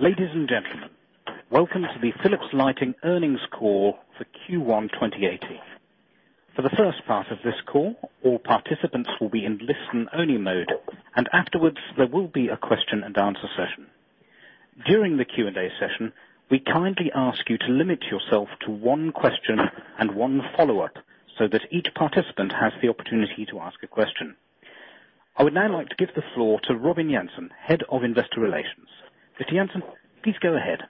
Ladies and gentlemen, welcome to the Philips Lighting earnings call for Q1 2018. For the first part of this call, all participants will be in listen-only mode, and afterwards there will be a question and answer session. During the Q&A session, we kindly ask you to limit yourself to one question and one follow-up, so that each participant has the opportunity to ask a question. I would now like to give the floor to Robin Jansen, Head of Investor Relations. Mr. Jansen, please go ahead.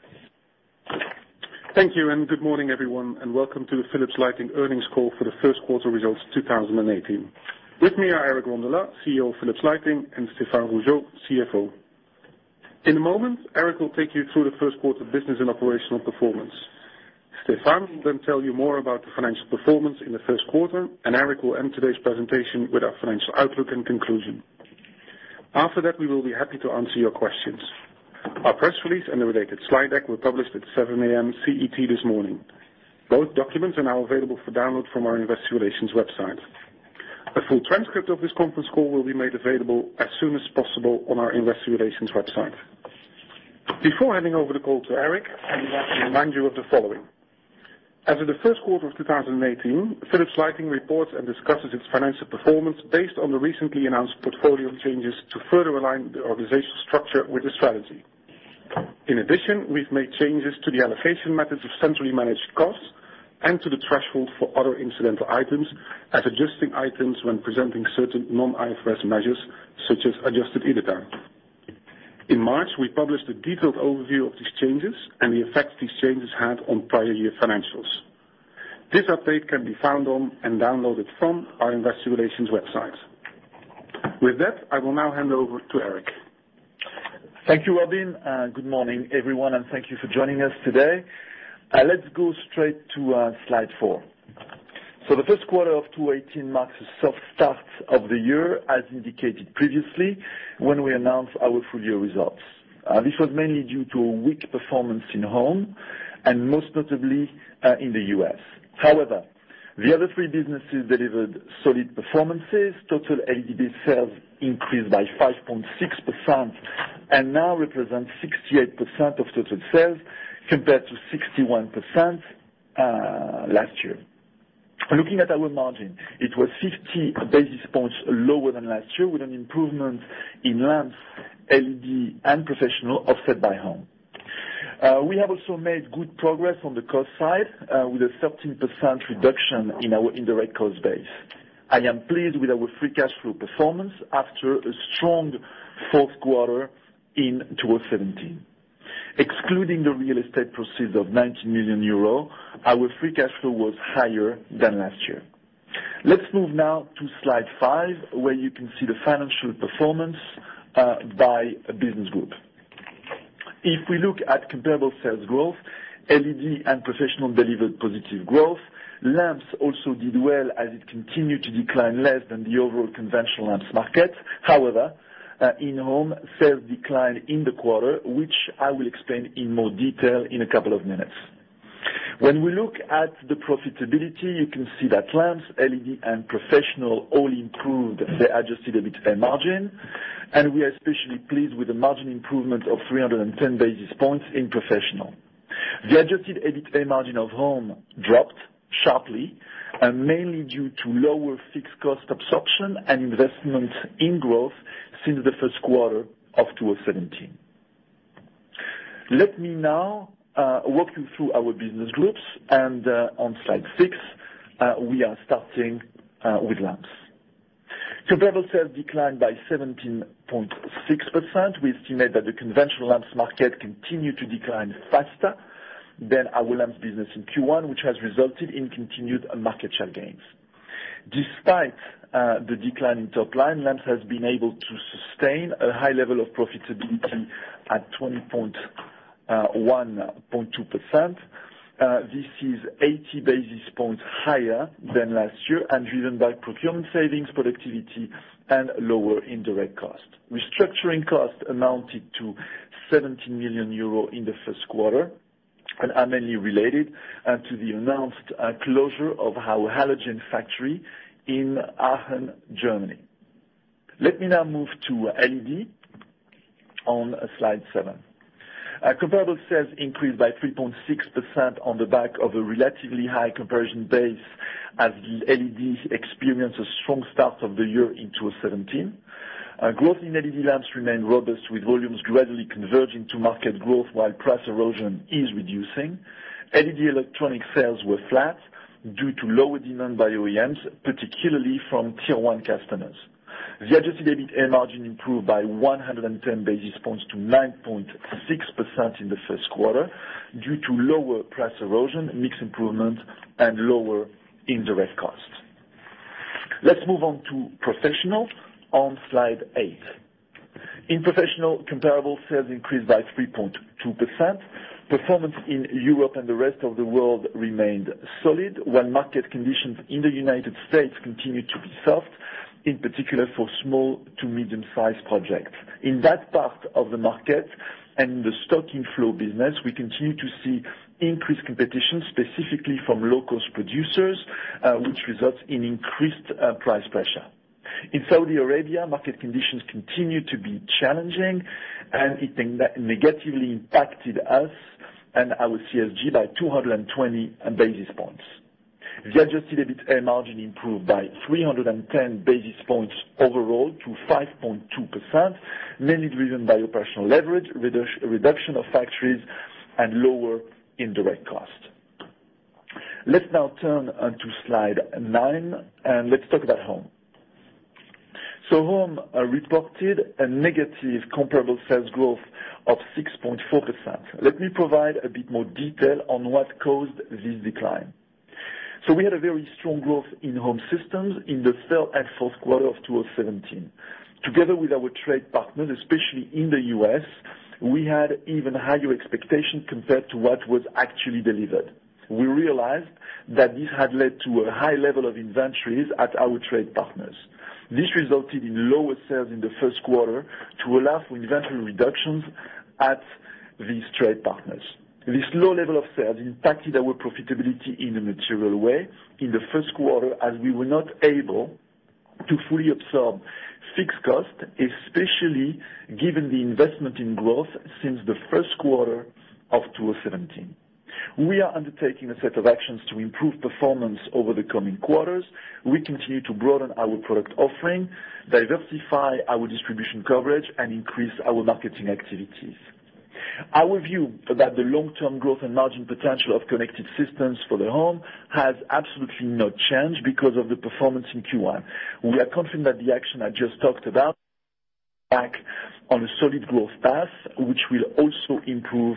Thank you. Good morning, everyone, and welcome to the Philips Lighting earnings call for the first quarter results 2018. With me are Eric Rondolat, CEO of Philips Lighting, and Stéphane Rougeot, CFO. In a moment, Eric will take you through the first quarter business and operational performance. Stéphane will tell you more about the financial performance in the first quarter, and Eric will end today's presentation with our financial outlook and conclusion. After that, we will be happy to answer your questions. Our press release and the related slide deck were published at 7:00 A.M. CET this morning. Both documents are now available for download from our investor relations website. A full transcript of this conference call will be made available as soon as possible on our investor relations website. Before handing over the call to Eric, I would like to remind you of the following. As of the first quarter of 2018, Philips Lighting reports and discusses its financial performance based on the recently announced portfolio changes to further align the organizational structure with the strategy. In addition, we've made changes to the allocation methods of centrally managed costs and to the threshold for other incidental items as adjusting items when presenting certain non-IFRS measures, such as adjusted EBITDA. In March, we published a detailed overview of these changes and the effect these changes had on prior year financials. This update can be found on and downloaded from our investor relations website. With that, I will now hand over to Eric. Thank you, Robin. Good morning, everyone. Thank you for joining us today. Let's go straight to slide four. The first quarter of 2018 marks a soft start of the year as indicated previously when we announced our full-year results. This was mainly due to a weak performance in Home, and most notably, in the U.S. However, the other three businesses delivered solid performances. Total LED sales increased by 5.6% and now represent 68% of total sales, compared to 61% last year. Looking at our margin, it was 50 basis points lower than last year with an improvement in lamps, LED, and professional, offset by Home. We have also made good progress on the cost side with a 13% reduction in our indirect cost base. I am pleased with our free cash flow performance after a strong fourth quarter in 2017. Excluding the real estate proceeds of 19 million euro, our free cash flow was higher than last year. Let's move now to slide five, where you can see the financial performance by Business Group. If we look at Comparable Sales Growth, LED and Professional delivered positive growth. Lamps also did well as it continued to decline less than the overall conventional lamps market. However, in Home, sales declined in the quarter, which I will explain in more detail in a couple of minutes. When we look at the profitability, you can see that Lamps, LED, and Professional all improved the adjusted EBITA margin, and we are especially pleased with the margin improvement of 310 basis points in Professional. The adjusted EBITA margin of Home dropped sharply, mainly due to lower fixed cost absorption and investment in growth since the first quarter of 2017. Let me now walk you through our Business Groups. On slide six, we are starting with Lamps. Comparable sales declined by 17.6%. We estimate that the conventional lamps market continued to decline faster than our Lamps business in Q1, which has resulted in continued market share gains. Despite the decline in top line, Lamps has been able to sustain a high level of profitability at 21.2%. This is 80 basis points higher than last year and driven by procurement savings, productivity, and lower indirect cost. Restructuring costs amounted to 17 million euro in the first quarter and are mainly related to the announced closure of our Halogen factory in Aachen, Germany. Let me now move to LED on slide seven. Comparable sales increased by 3.6% on the back of a relatively high conversion base as the LEDs experienced a strong start of the year in 2017. Growth in LED lamps remained robust with volumes gradually converging to market growth while price erosion is reducing. LED electronic sales were flat due to lower demand by OEMs, particularly from tier 1 customers. The adjusted EBITA margin improved by 110 basis points to 9.6% in the first quarter due to lower price erosion, mix improvement, and lower indirect costs. Let's move on to Professional on slide eight. In Professional, comparable sales increased by 3.2%. Performance in Europe and the rest of the world remained solid when market conditions in the United States continued to be soft, in particular for small to medium-sized projects. In that part of the market, the stock in flow business, we continue to see increased competition, specifically from low-cost producers, which results in increased price pressure. In Saudi Arabia, market conditions continue to be challenging, and it negatively impacted us and our CSG by 220 basis points. The adjusted EBITA margin improved by 310 basis points overall to 5.2%, mainly driven by operational leverage, reduction of factories, and lower indirect cost. Let's now turn onto slide nine, and let's talk about Home. Home reported a negative Comparable Sales Growth of 6.4%. Let me provide a bit more detail on what caused this decline. We had a very strong growth in home systems in the third and fourth quarter of 2017. Together with our trade partners, especially in the U.S., we had even higher expectations compared to what was actually delivered. We realized that this had led to a high level of inventories at our trade partners. This resulted in lower sales in the first quarter to allow for inventory reductions at these trade partners. This low level of sales impacted our profitability in a material way in the first quarter, as we were not able to fully absorb fixed costs, especially given the investment in growth since the first quarter of 2017. We are undertaking a set of actions to improve performance over the coming quarters. We continue to broaden our product offering, diversify our distribution coverage, and increase our marketing activities. Our view about the long-term growth and margin potential of connected systems for the home has absolutely not changed because of the performance in Q1. We are confident that the action I just talked about back on a solid growth path, which will also improve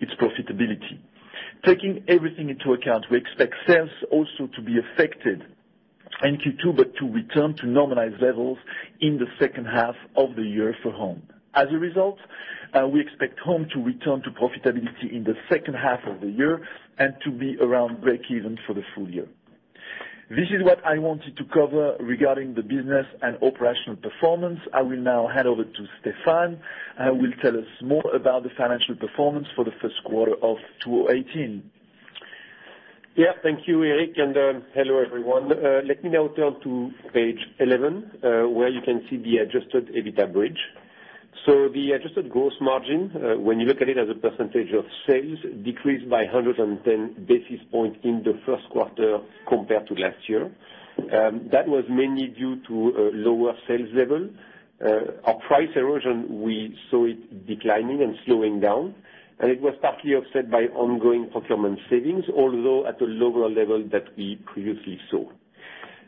its profitability. Taking everything into account, we expect sales also to be affected in Q2, but to return to normalized levels in the second half of the year for home. As a result, we expect home to return to profitability in the second half of the year and to be around breakeven for the full year. This is what I wanted to cover regarding the business and operational performance. I will now hand over to Stéphane, who will tell us more about the financial performance for the first quarter of 2018. Thank you, Eric, and hello, everyone. Let me now turn to page 11, where you can see the adjusted EBITA bridge. The adjusted gross margin, when you look at it as a percentage of sales, decreased by 110 basis points in the first quarter compared to last year. That was mainly due to a lower sales level. Our price erosion, we saw it declining and slowing down, and it was partly offset by ongoing procurement savings, although at a lower level that we previously saw.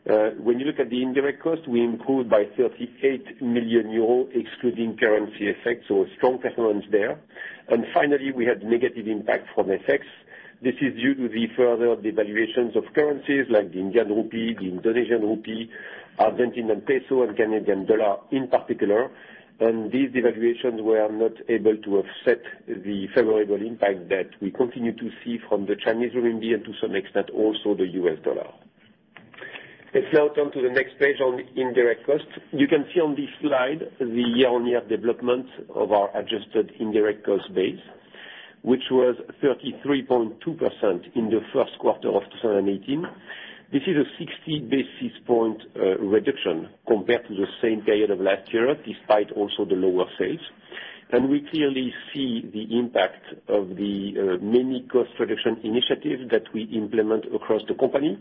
When you look at the indirect cost, we improved by 38 million euros, excluding currency effects, strong performance there. And finally, we had negative impact from Forex effects. This is due to the further devaluations of currencies, like the Indian rupee, the Indonesian rupiah, Argentine peso, and Canadian dollar in particular. These devaluations were not able to offset the favorable impact that we continue to see from the Chinese renminbi and to some extent, also the US dollar. Let's now turn to the next page on indirect costs. You can see on this slide the year-on-year development of our adjusted indirect cost base, which was 33.2% in the first quarter of 2018. This is a 60 basis point reduction compared to the same period of last year, despite also the lower sales. And we clearly see the impact of the many cost reduction initiatives that we implement across the company.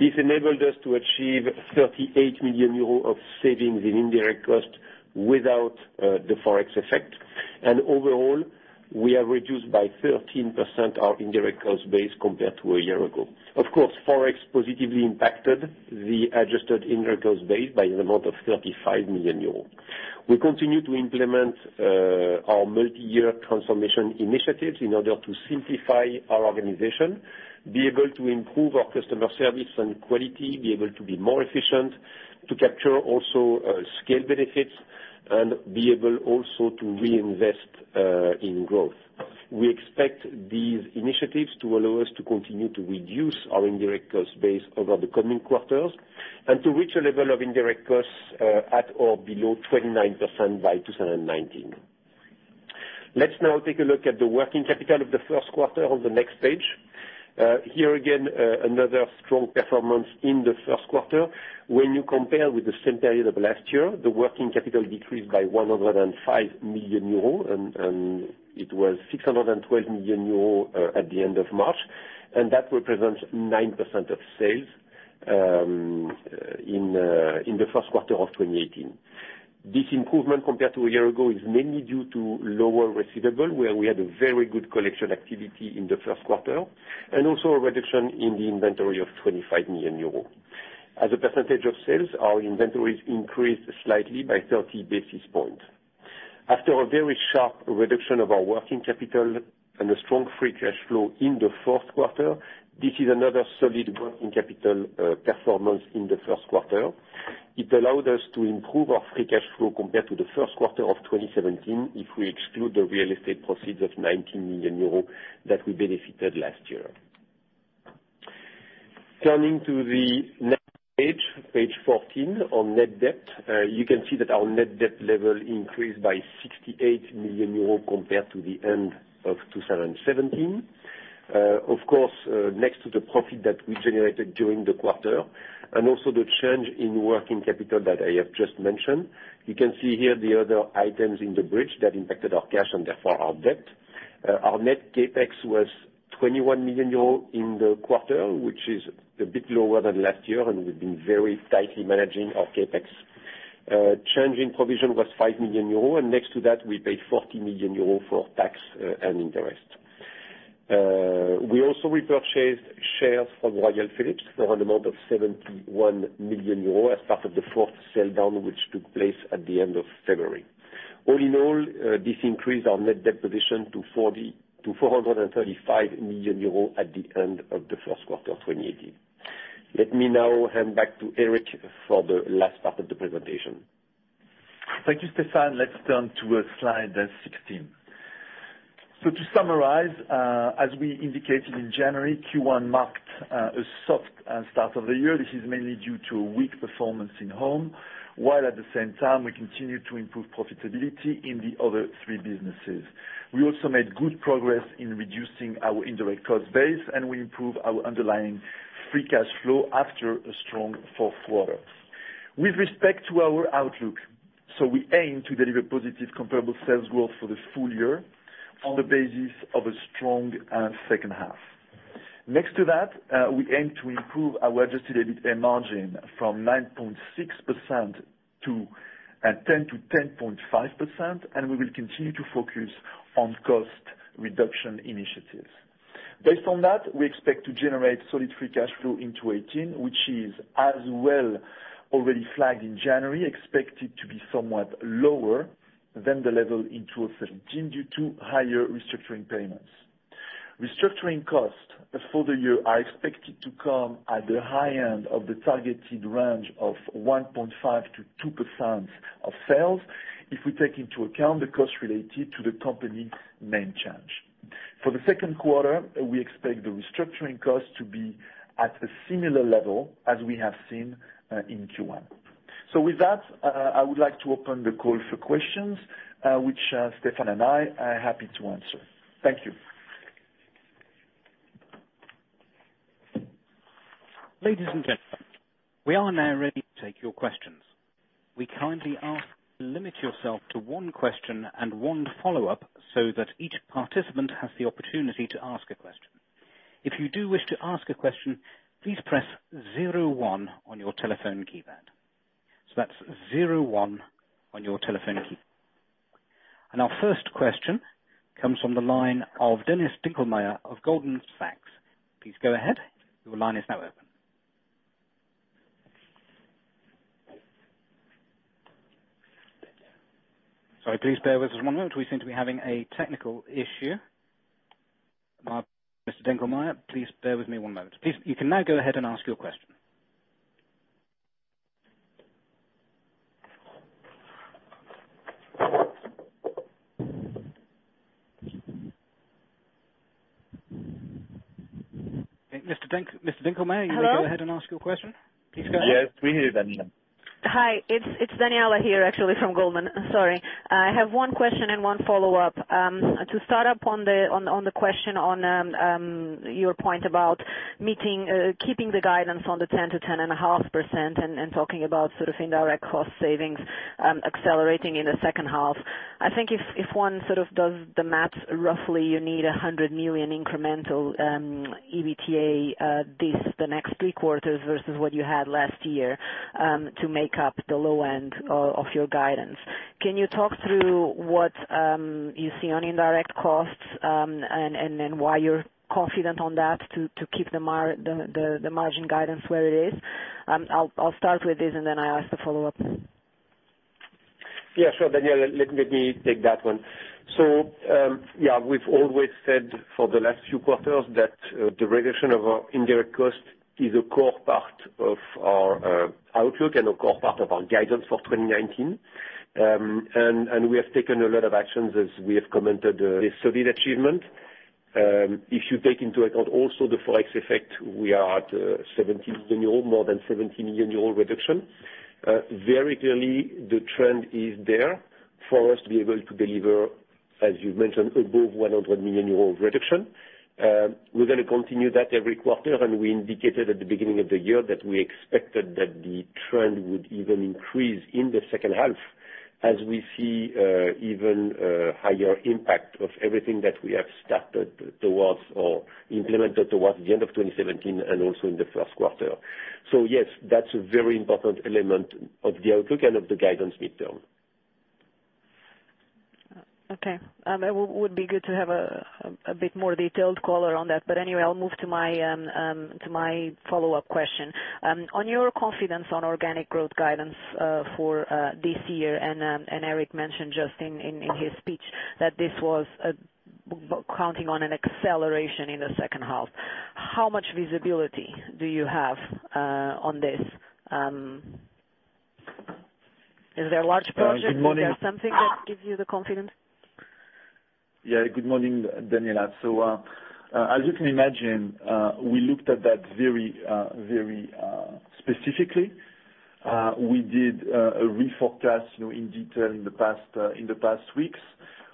This enabled us to achieve 38 million euros of savings in indirect costs without the Forex effect. And overall, we have reduced by 13% our indirect cost base compared to a year ago. Of course, Forex positively impacted the adjusted indirect cost base by an amount of 35 million euros. We continue to implement our multi-year transformation initiatives in order to simplify our organization, be able to improve our customer service and quality, be able to be more efficient, to capture also scale benefits, and be able also to reinvest in growth. We expect these initiatives to allow us to continue to reduce our indirect cost base over the coming quarters and to reach a level of indirect costs at or below 29% by 2019. Let's now take a look at the working capital of the first quarter on the next page. Here again, another strong performance in the first quarter. When you compare with the same period of last year, the working capital decreased by 105 million euros, and it was 612 million euros at the end of March, and that represents 9% of sales in the first quarter of 2018. This improvement compared to a year ago is mainly due to lower receivable, where we had a very good collection activity in the first quarter, and also a reduction in the inventory of 25 million euros. As a percentage of sales, our inventories increased slightly by 30 basis points. After a very sharp reduction of our working capital and a strong free cash flow in the fourth quarter, this is another solid working capital performance in the first quarter. It allowed us to improve our free cash flow compared to the first quarter of 2017 if we exclude the real estate proceeds of 19 million euros that we benefited last year. Turning to the next page 14 on net debt. You can see that our net debt level increased by 68 million euros compared to the end of 2017. Of course, next to the profit that we generated during the quarter, and also the change in working capital that I have just mentioned, you can see here the other items in the bridge that impacted our cash and therefore our debt. Our net CapEx was 21 million euros in the quarter, which is a bit lower than last year, and we've been very tightly managing our CapEx. Change in provision was 5 million euro, and next to that, we paid 40 million euro for tax and interest. We also repurchased shares from Royal Philips for an amount of 71 million euros as part of the fourth sell-down, which took place at the end of February. All in all, this increased our net debt position to 435 million euros at the end of the first quarter of 2018. Let me now hand back to Eric for the last part of the presentation. Thank you, Stéphane. Let's turn to slide 16. To summarize, as we indicated in January, Q1 marked a soft start of the year. This is mainly due to a weak performance in Home, while at the same time we continue to improve profitability in the other three businesses. We also made good progress in reducing our indirect cost base, and we improved our underlying free cash flow after a strong fourth quarter. With respect to our outlook, we aim to deliver positive Comparable Sales Growth for the full year on the basis of a strong second half. Next to that, we aim to improve our adjusted EBITA margin from 9.6% to 10% to 10.5%, and we will continue to focus on cost reduction initiatives. Based on that, we expect to generate solid free cash flow in 2018, which is, as well, already flagged in January, expected to be somewhat lower than the level in 2017 due to higher restructuring payments. Restructuring costs for the year are expected to come at the high end of the targeted range of 1.5%-2% of sales if we take into account the costs related to the company's main change. For the second quarter, we expect the restructuring costs to be at a similar level as we have seen in Q1. With that, I would like to open the call for questions, which Stéphane and I are happy to answer. Thank you. Ladies and gentlemen, we are now ready to take your questions. We kindly ask that you limit yourself to one question and one follow-up so that each participant has the opportunity to ask a question. If you do wish to ask a question, please press zero one on your telephone keypad. That's zero one on your telephone keypad. Our first question comes from the line of Daniela de Carvalho of Goldman Sachs. Please go ahead. Your line is now open. Sorry, please bear with us one moment. We seem to be having a technical issue. Mr. de Carvalho, please bear with me one moment. Please, you can now go ahead and ask your question. Mr. de Carvalho, you may go ahead and ask your question. Please go ahead. Yes, we hear you, Daniela. Hi, it's Daniela here, actually, from Goldman. Sorry. I have one question and one follow-up. To start up on the question on your point about keeping the guidance on the 10%-10.5% and talking about sort of indirect cost savings accelerating in the second half. I think if one sort of does the maths, roughly you need 100 million incremental EBITA this, the next three quarters versus what you had last year, to make up the low end of your guidance. Can you talk through what you see on indirect costs and then why you're confident on that to keep the margin guidance where it is? I'll start with this, then I ask the follow-up. Yeah, sure, Daniela, let me take that one. Yeah, we've always said for the last few quarters that the reduction of our indirect cost is a core part of our outlook and a core part of our guidance for 2019. We have taken a lot of actions as we have commented, a solid achievement. If you take into account also the Forex effect, we are at 17 million euro, more than 17 million euro reduction. Very clearly, the trend is there for us to be able to deliver, as you mentioned, above 100 million euro reduction. We're going to continue that every quarter, and we indicated at the beginning of the year that we expected that the trend would even increase in the second half as we see even higher impact of everything that we have started towards or implemented towards the end of 2017 and also in the first quarter. Yes, that's a very important element of the outlook and of the guidance midterm. Okay. It would be good to have a bit more detailed color on that. Anyway, I'll move to my follow-up question. On your confidence on organic growth guidance for this year, and Eric mentioned just in his speech that this was counting on an acceleration in the second half. How much visibility do you have on this? Is there a large project Good morning is there something that gives you the confidence? Good morning, Daniela. As you can imagine, we looked at that very specifically. We did a re-forecast in detail in the past weeks.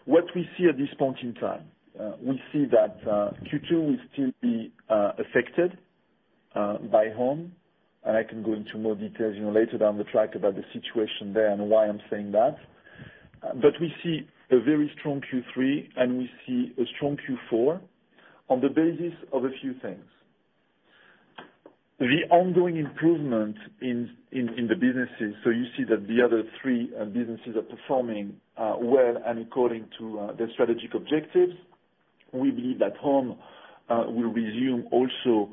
What we see at this point in time, we see that Q2 will still be affected by Home. I can go into more details later down the track about the situation there and why I'm saying that. We see a very strong Q3, and we see a strong Q4 on the basis of a few things. The ongoing improvement in the businesses, you see that the other three businesses are performing well and according to their strategic objectives. We believe that Home will resume also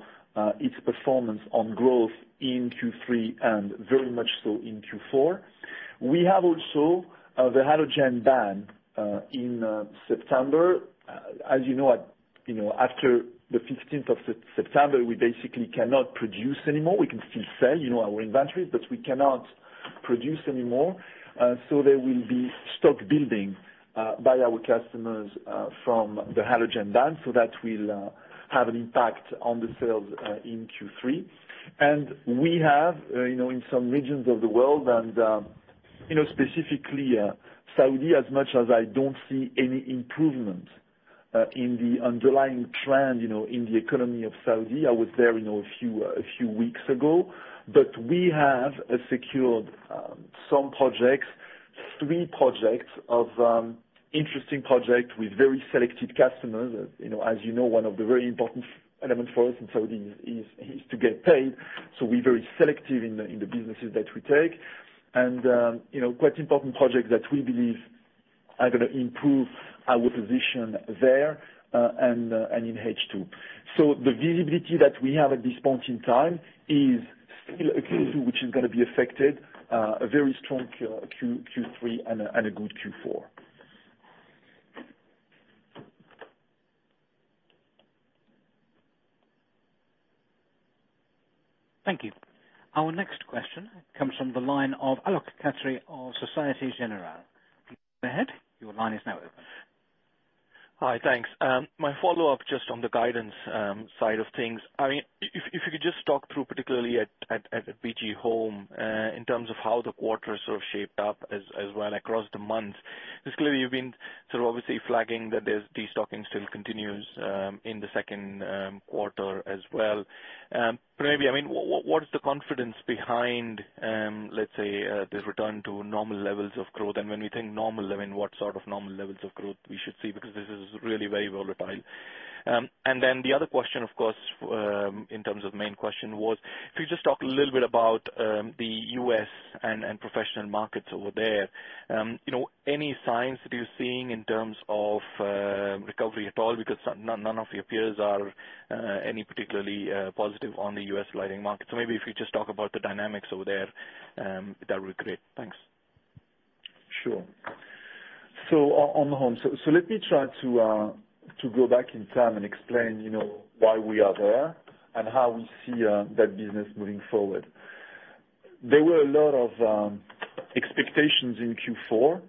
its performance on growth in Q3 and very much so in Q4. We have also the Halogen ban in September. As you know, after the 15th of September, we basically cannot produce anymore. We can still sell our inventory, we cannot produce anymore. There will be stock building by our customers from the Halogen ban. That will have an impact on the sales in Q3. We have, in some regions of the world, and specifically Saudi, as much as I don't see any improvement in the underlying trend in the economy of Saudi. I was there a few weeks ago. We have secured some projects, three projects of interesting project with very selected customers. As you know, one of the very important element for us in Saudi is to get paid. We're very selective in the businesses that we take. Quite important project that we believe are going to improve our position there, and in H2. The visibility that we have at this point in time is still a Q2, which is going to be affected, a very strong Q3, and a good Q4. Thank you. Our next question comes from the line of Alok Katre of Societe Generale. Go ahead, your line is now open. Hi. Thanks. My follow-up just on the guidance side of things. If you could just talk through, particularly at Business Group Home, in terms of how the quarter sort of shaped up as well across the months. Because clearly you've been sort of obviously flagging that this destocking still continues in the second quarter as well. Maybe, what is the confidence behind, let's say, this return to normal levels of growth? When we think normal, I mean what sort of normal levels of growth we should see, because this is really very volatile. Then the other question, of course, in terms of main question was, could you just talk a little bit about the U.S. and professional markets over there? Any signs that you're seeing in terms of recovery at all? Because none of your peers are any particularly positive on the U.S. lighting market. Maybe if you just talk about the dynamics over there, that would be great. Thanks. Sure. On Home. Let me try to go back in time and explain why we are there and how we see that business moving forward. There were a lot of expectations in Q4,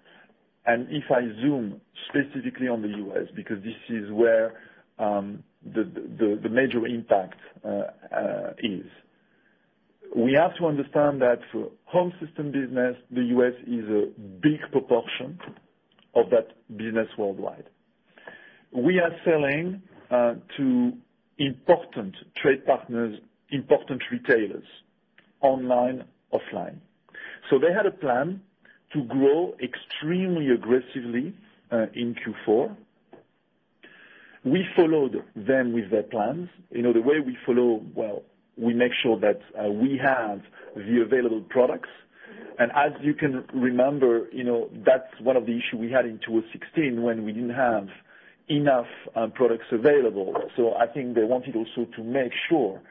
and if I zoom specifically on the U.S., because this is where the major impact is. We have to understand that for Home system business, the U.S. is a big proportion of that business worldwide. We are selling to important trade partners, important retailers, online, offline. They had a plan to grow extremely aggressively, in Q4. We followed them with their plans. The way we follow, well, we make sure that we have the available products. As you can remember, that's one of the issue we had in 2016 when we didn't have enough products available. I think they wanted also to make sure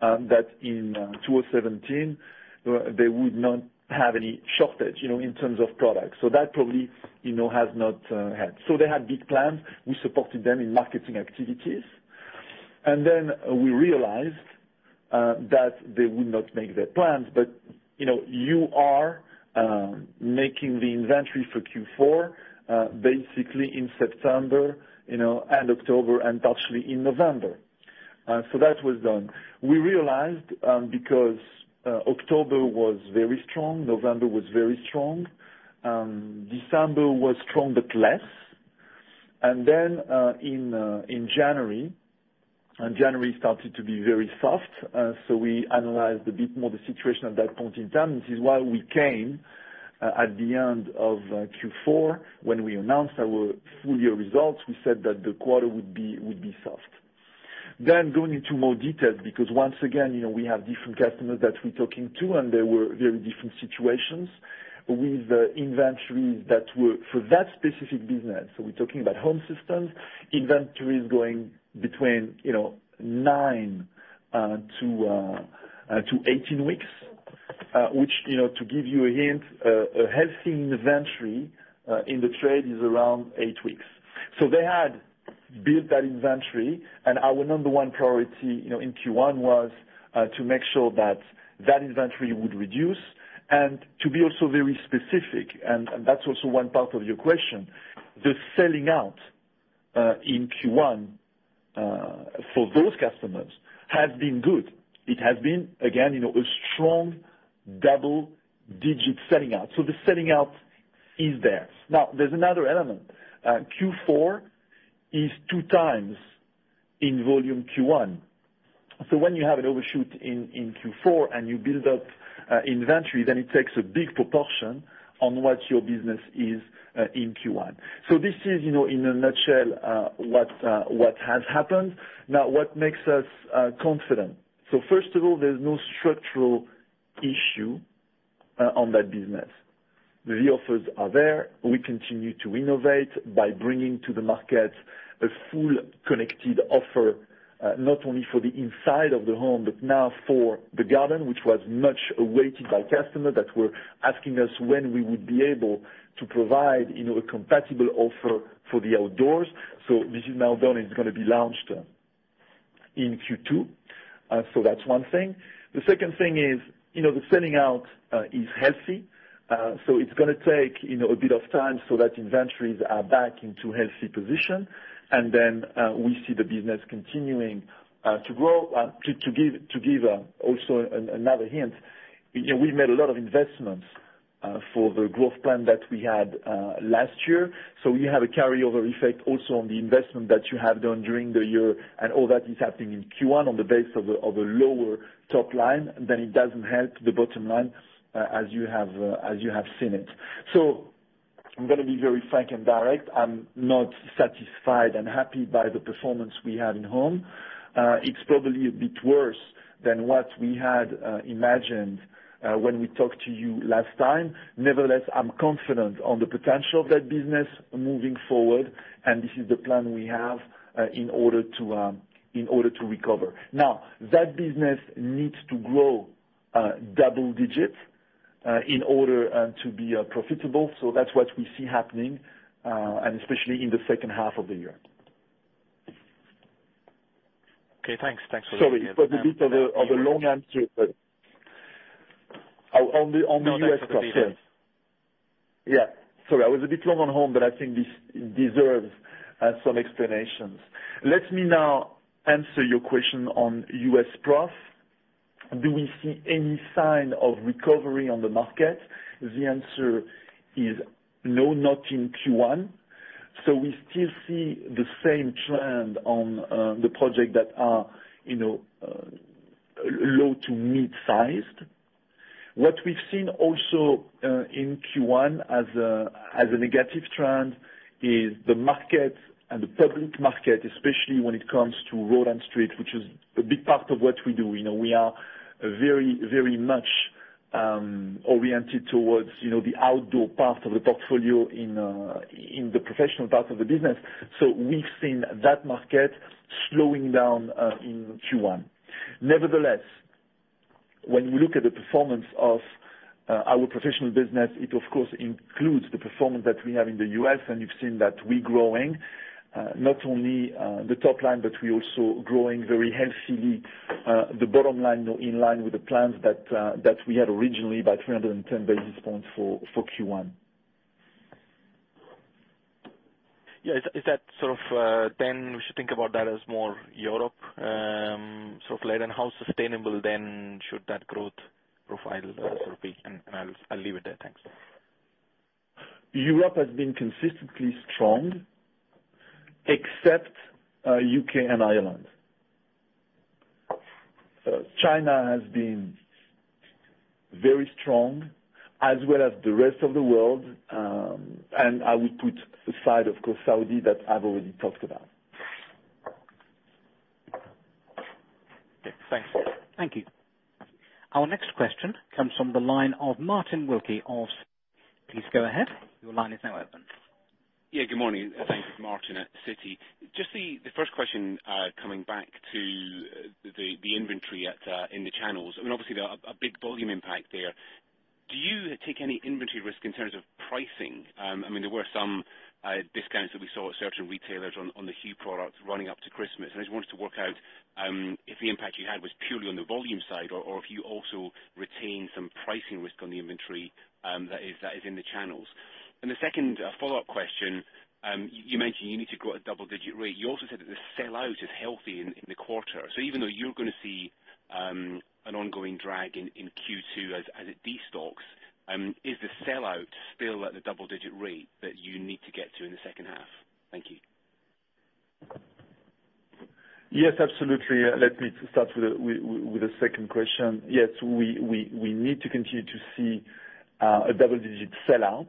that in 2017 they would not have any shortage in terms of products. That probably has not happened. They had big plans. We supported them in marketing activities. We realized that they would not make their plans, but you are making the inventory for Q4 basically in September and October, and partially in November. That was done. We realized because October was very strong, November was very strong. December was strong, but less. Then in January started to be very soft. We analyzed a bit more the situation at that point in time. This is why we came at the end of Q4 when we announced our full year results, we said that the quarter would be soft. Going into more detail, because once again, we have different customers that we are talking to, and they were very different situations with the inventories that were for that specific business. We are talking about Home systems, inventories going between nine to 18 weeks. Which, to give you a hint, a healthy inventory in the trade is around eight weeks. They had built that inventory. Our number 1 priority in Q1 was to make sure that inventory would reduce, and to be also very specific, and that is also one part of your question. The selling out in Q1 for those customers has been good. It has been, again, a strong double-digit selling out. The selling out is there. There is another element. Q4 is 2 times in volume Q1. When you have an overshoot in Q4 and you build up inventory, then it takes a big proportion on what your business is in Q1. This is, in a nutshell, what has happened. What makes us confident? First of all, there is no structural issue on that business. The offers are there. We continue to innovate by bringing to the market a full connected offer, not only for the inside of the home, but now for the garden, which was much awaited by customers that were asking us when we would be able to provide a compatible offer for the outdoors. Hue Outdoor is going to be launched in Q2. That is one thing. The second thing is, the selling out is healthy. It is going to take a bit of time so that inventories are back into a healthy position, and we see the business continuing to grow. To give also another hint, we made a lot of investments for the growth plan that we had last year. You have a carryover effect also on the investment that you have done during the year. All that is happening in Q1 on the base of a lower top line, it does not help the bottom line as you have seen it. I am going to be very frank and direct. I am not satisfied and happy by the performance we had in Home. It is probably a bit worse than what we had imagined when we talked to you last time. Nevertheless, I'm confident on the potential of that business moving forward, and this is the plan we have in order to recover. That business needs to grow double digits in order to be profitable. That's what we see happening, and especially in the second half of the year. Okay, thanks. Sorry. It was a bit of a long answer, but on the U.S. Prof. No, that's okay. Sorry, I was a bit long on Home. I think this deserves some explanations. Let me now answer your question on U.S. Prof. Do we see any sign of recovery on the market? The answer is no, not in Q1. We still see the same trend on the project that are low to mid-sized. What we've seen also in Q1 as a negative trend is the market and the public market, especially when it comes to road and street, which is a big part of what we do. We are very much oriented towards the outdoor part of the portfolio in the professional part of the business. We've seen that market slowing down in Q1. Nevertheless, when we look at the performance of our professional business, it of course includes the performance that we have in the U.S., and you've seen that we're growing not only the top line, but we're also growing very healthily the bottom line, in line with the plans that we had originally by 310 basis points for Q1. Is that sort of we should think about that as more Europe sort of led, how sustainable should that growth profile sort of be? I'll leave it there. Thanks. Europe has been consistently strong except U.K. and Ireland. China has been very strong as well as the rest of the world. I would put aside, of course, Saudi that I've already talked about. Okay, thanks. Thank you. Our next question comes from the line of Martin Wilkie of. Please go ahead. Your line is now open. Yeah, good morning. Thank you. Martin at Citi. Just the first question, coming back to the inventory in the channels, I mean, obviously, a big volume impact there. Do you take any inventory risk in terms of pricing? There were some discounts that we saw at certain retailers on the Hue products running up to Christmas, I just wanted to work out if the impact you had was purely on the volume side or if you also retained some pricing risk on the inventory that is in the channels. The second follow-up question, you mentioned you need to grow at a double-digit rate. You also said that the sell-out is healthy in the quarter. Even though you're going to see an ongoing drag in Q2 as it de-stocks, is the sell-out still at the double-digit rate that you need to get to in the second half? Thank you. Yes, absolutely. Let me start with the second question. Yes, we need to continue to see a double-digit sell-out.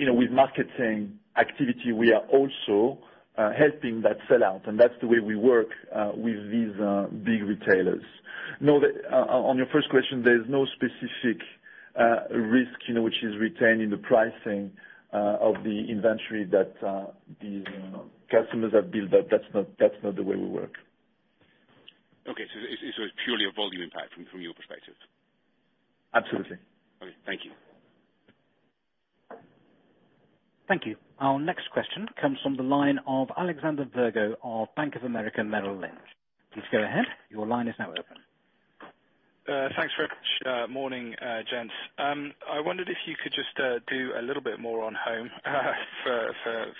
With marketing activity, we are also helping that sell-out, and that's the way we work with these big retailers. On your first question, there's no specific risk which is retained in the pricing of the inventory that these customers have built up. That's not the way we work. Okay. It's purely a volume impact from your perspective? Absolutely. Okay. Thank you. Thank you. Our next question comes from the line of Alexander Virgo of Bank of America Merrill Lynch. Please go ahead. Your line is now open. Thanks very much. Morning, gents. I wondered if you could just do a little bit more on home.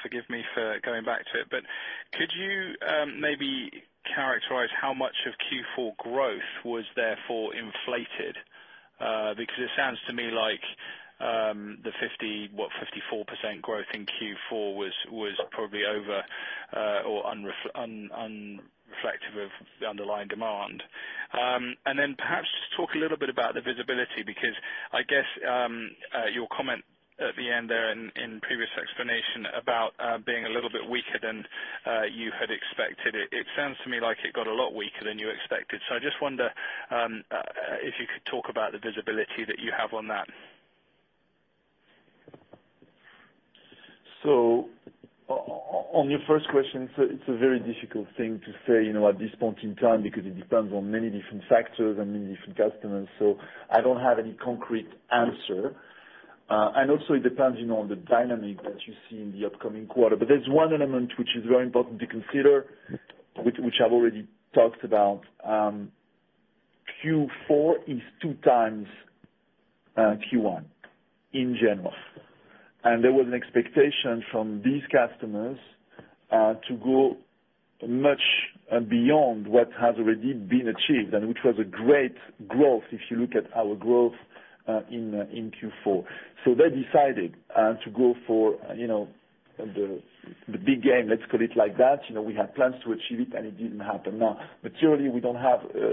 Forgive me for going back to it, could you maybe characterize how much of Q4 growth was therefore inflated? It sounds to me like the 54% growth in Q4 was probably over or unreflective of the underlying demand. Perhaps just talk a little bit about the visibility, I guess, your comment at the end there in previous explanation about being a little bit weaker than you had expected. It sounds to me like it got a lot weaker than you expected. I just wonder if you could talk about the visibility that you have on that. On your first question, it's a very difficult thing to say, at this point in time, because it depends on many different factors and many different customers. I don't have any concrete answer. Also it depends on the dynamic that you see in the upcoming quarter. There's one element which is very important to consider, which I've already talked about. Q4 is 2 times Q1 in general. There was an expectation from these customers, to go much beyond what has already been achieved and which was a great growth, if you look at our growth in Q4. They decided to go for the big game, let's call it like that. We had plans to achieve it didn't happen. Now, materially, we don't have a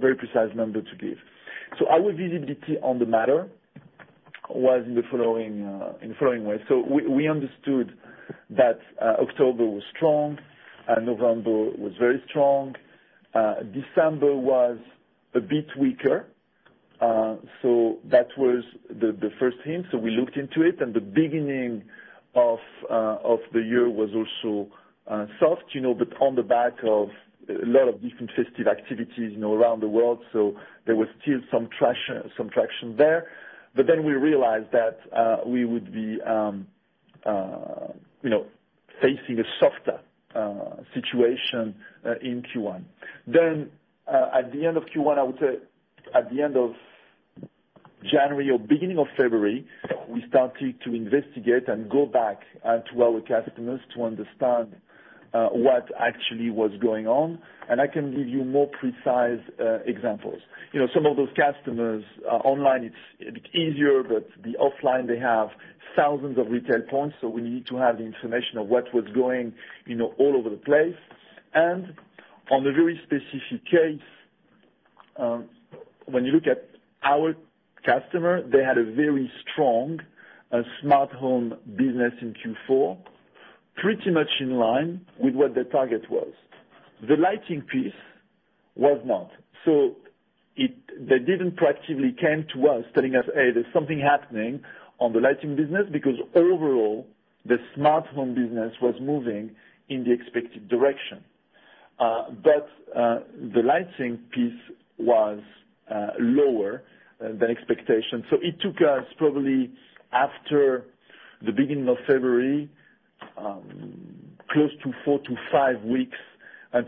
very precise number to give. Our visibility on the matter was in the following way. We understood that October was strong and November was very strong. December was a bit weaker. That was the first hint. We looked into it, the beginning of the year was also soft. On the back of a lot of different festive activities around the world, there was still some traction there. We realized that we would be facing a softer situation in Q1. At the end of Q1, I would say at the end of January or beginning of February, we started to investigate and go back to our customers to understand what actually was going on. I can give you more precise examples. Some of those customers are online, it's easier, but the offline, they have thousands of retail points, we need to have the information of what was going all over the place. On a very specific case, when you look at our customer, they had a very strong smart home business in Q4, pretty much in line with what their target was. The lighting piece was not. They didn't proactively come to us telling us, "Hey, there's something happening on the lighting business," overall, the smart home business was moving in the expected direction. The lighting piece was lower than expectation. It took us probably after the beginning of February, close to 4-5 weeks,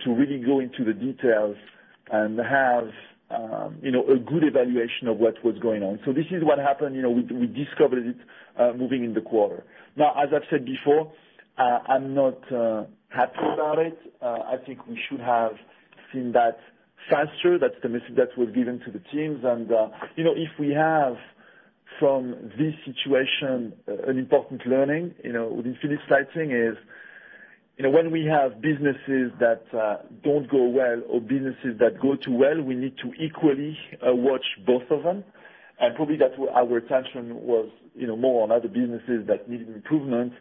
to really go into the details and have a good evaluation of what was going on. This is what happened. We discovered it moving in the quarter. Now, as I've said before, I'm not happy about it. I think we should have seen that faster. That's the message that was given to the teams. If we have from this situation an important learning, with hindsight is when we have businesses that don't go well or businesses that go too well, we need to equally watch both of them. Probably that our attention was more on other businesses that needed improvement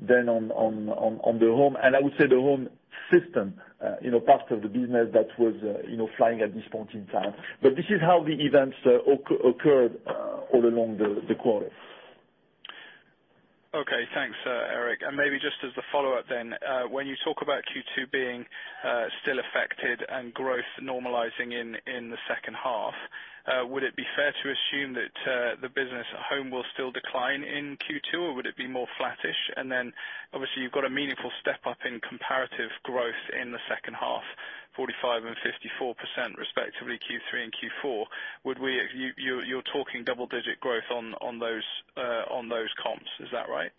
than on the Home. I would say the Home System, part of the business that was flying at this point in time. This is how the events occurred all along the quarter. Okay. Thanks, Eric. Maybe just as a follow-up then, when you talk about Q2 being still affected and growth normalizing in the second half, would it be fair to assume that the business at Home will still decline in Q2, or would it be more flattish? Then obviously you've got a meaningful step-up in Comparable Sales Growth in the second half, 45% and 54% respectively, Q3 and Q4. You're talking double-digit growth on those comps. Is that right?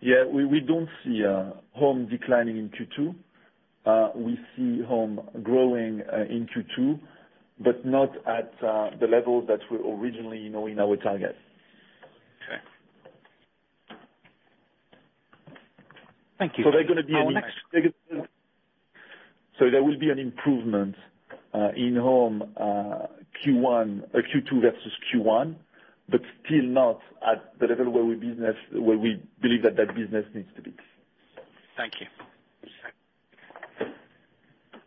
Yeah. We don't see Home declining in Q2. We see Home growing in Q2, but not at the level that we originally in our target. Okay. Thank you. Our next- There will be an improvement in Home Q2 versus Q1, but still not at the level where we believe that business needs to be. Thank you.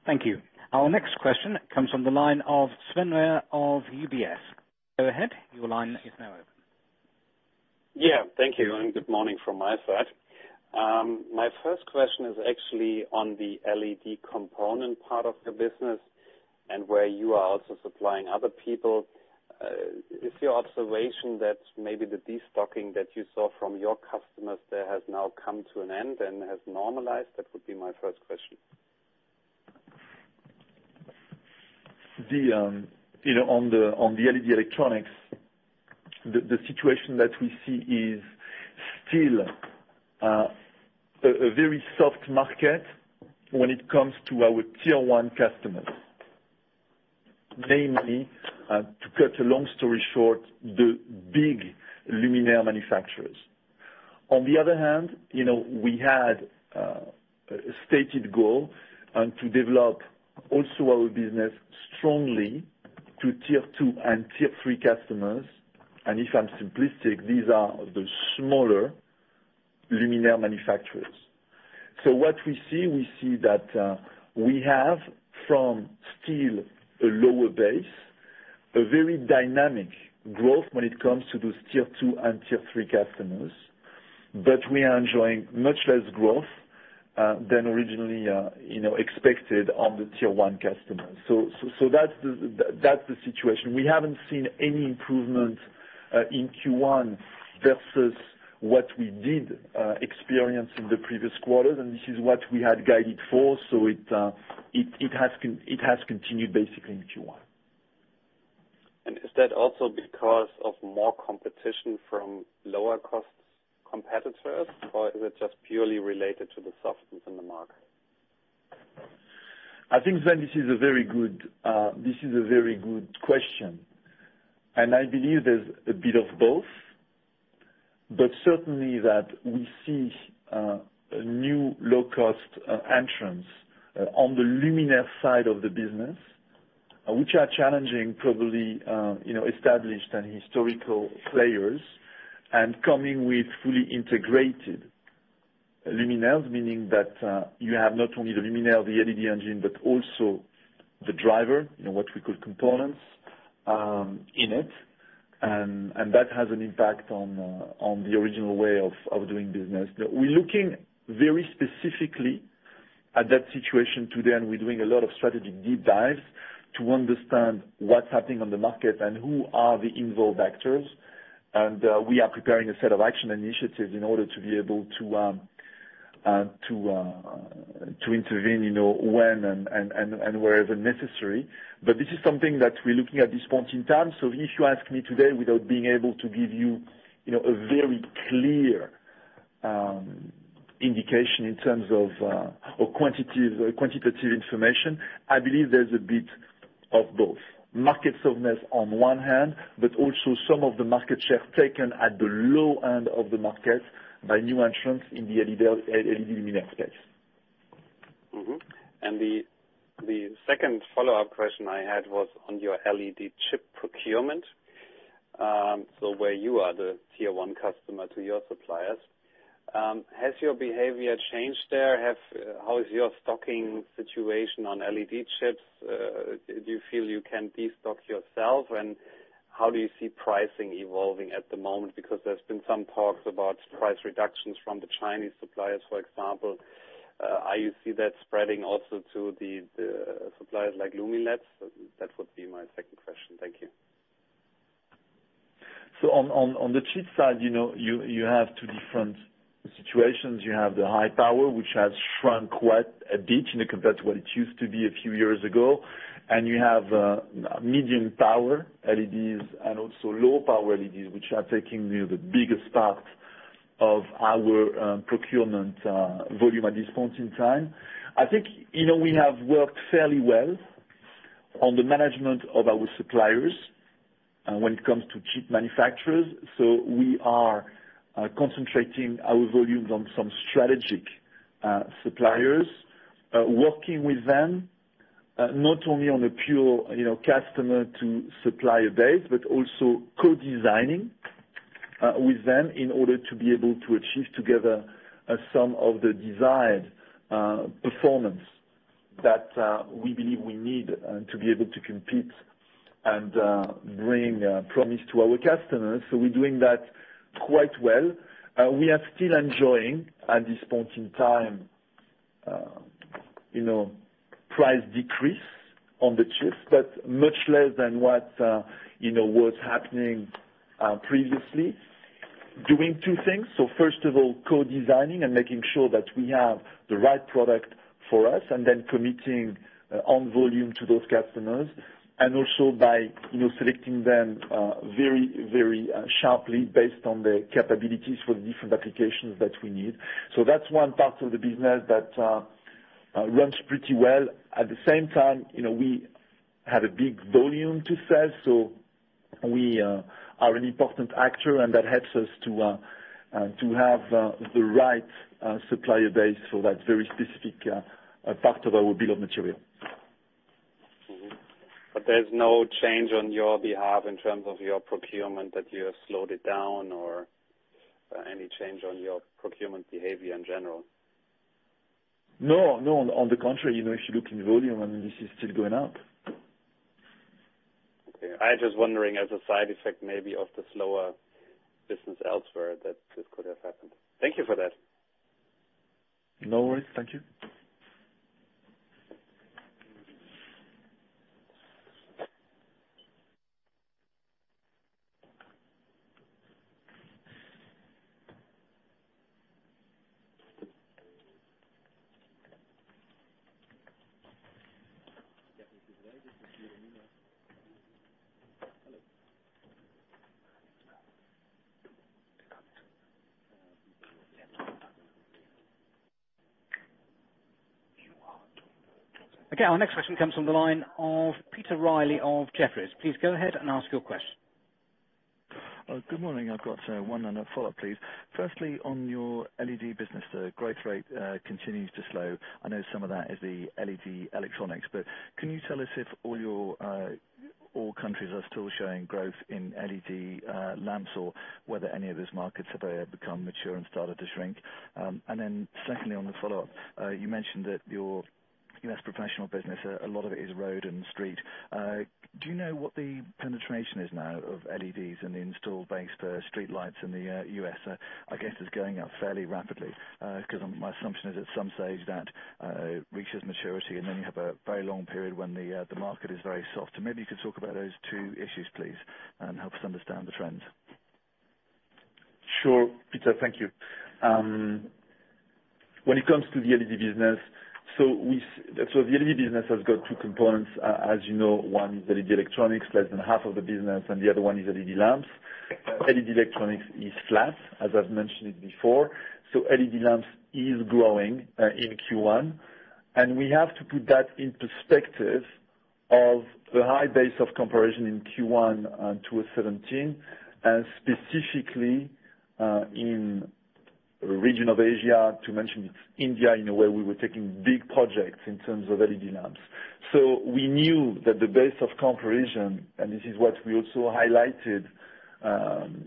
Thank you. Our next question comes from the line of Sven Weier of UBS. Go ahead. Your line is now open. Thank you, and good morning from my side. My first question is actually on the LED component part of the business and where you are also supplying other people. Is your observation that maybe the destocking that you saw from your customers there has now come to an end and has normalized? That would be my first question. On the LED electronics, the situation that we see is still a very soft market when it comes to our tier 1 customers. Namely, to cut a long story short, the big luminaire manufacturers. On the other hand, we had a stated goal to develop also our business strongly to tier 2 and tier 3 customers. If I'm simplistic, these are the smaller luminaire manufacturers. What we see, we see that we have, from still a lower base, a very dynamic growth when it comes to those tier 2 and tier 3 customers. We are enjoying much less growth than originally expected on the tier 1 customers. That's the situation. We haven't seen any improvement in Q1 versus what we did experience in the previous quarters, and this is what we had guided for. It has continued basically in Q1. Is that also because of more competition from lower cost competitors? Is it just purely related to the softness in the market? I think, Sven, this is a very good question. I believe there's a bit of both. Certainly that we see new low-cost entrants on the luminaire side of the business, which are challenging, probably established and historical players and coming with fully integrated luminaires, meaning that you have not only the luminaire, the LED engine, but also the driver, what we call components in it. That has an impact on the original way of doing business. We're looking very specifically at that situation today. We're doing a lot of strategic deep dives to understand what's happening on the market and who are the involved actors. We are preparing a set of action initiatives in order to be able to intervene when and wherever necessary. This is something that we're looking at this point in time. If you ask me today without being able to give you a very clear indication in terms of quantitative information, I believe there's a bit of both. Market softness on one hand, but also some of the market share taken at the low end of the market by new entrants in the LED luminaire space. Mm-hmm. The second follow-up question I had was on your LED chip procurement. Where you are the tier 1 customer to your suppliers. Has your behavior changed there? How is your stocking situation on LED chips? Do you feel you can destock yourself? How do you see pricing evolving at the moment? Because there's been some talks about price reductions from the Chinese suppliers, for example. I see that spreading also to the suppliers like Lumileds. That would be my second question. Thank you. On the chip side, you have two different situations. You have the high power, which has shrunk quite a bit compared to what it used to be a few years ago. You have medium power LEDs and also low power LEDs, which are taking the biggest part of our procurement volume at this point in time. I think we have worked fairly well on the management of our suppliers when it comes to chip manufacturers. We are concentrating our volumes on some strategic suppliers, working with them not only on a pure customer to supplier base, but also co-designing with them in order to be able to achieve together some of the desired performance that we believe we need to be able to compete and bring promise to our customers. We're doing that quite well. We are still enjoying, at this point in time, price decrease on the chips, much less than what's happening previously. Doing two things. First of all, co-designing and making sure that we have the right product for us, then committing on volume to those customers. Also by selecting them very sharply based on the capabilities for the different applications that we need. That's one part of the business that runs pretty well. At the same time, we have a big volume to sell. We are an important actor, and that helps us to have the right supplier base for that very specific part of our bill of material. Mm-hmm. There's no change on your behalf in terms of your procurement, that you have slowed it down or any change on your procurement behavior in general? No, on the contrary. If you look in volume, this is still going up Okay. I was just wondering as a side effect maybe of the slower business elsewhere, that this could have happened. Thank you for that. No worries. Thank you. Okay, our next question comes from the line of Peter Riley of Jefferies. Please go ahead and ask your question. Good morning. I've got one and a follow-up, please. Firstly, on your LED business, the growth rate continues to slow. I know some of that is the LED electronics, but can you tell us if all countries are still showing growth in LED lamps, or whether any of those markets have become mature and started to shrink? Secondly, on the follow-up, you mentioned that your U.S. professional business, a lot of it is road and street. Do you know what the penetration is now of LEDs and the installed base for streetlights in the U.S.? I guess it's going up fairly rapidly. My assumption is at some stage that reaches maturity, and then you have a very long period when the market is very soft. Maybe you could talk about those two issues, please, and help us understand the trends. Sure, Peter. Thank you. When it comes to the LED business, so the LED business has got two components, as you know. One is LED electronics, less than half of the business, and the other one is LED lamps. LED electronics is flat, as I've mentioned it before. LED lamps is growing in Q1, and we have to put that in perspective of the high base of comparison in Q1 2017 and specifically, in region of Asia. To mention India, in a way, we were taking big projects in terms of LED lamps. We knew that the base of comparison, and this is what we also highlighted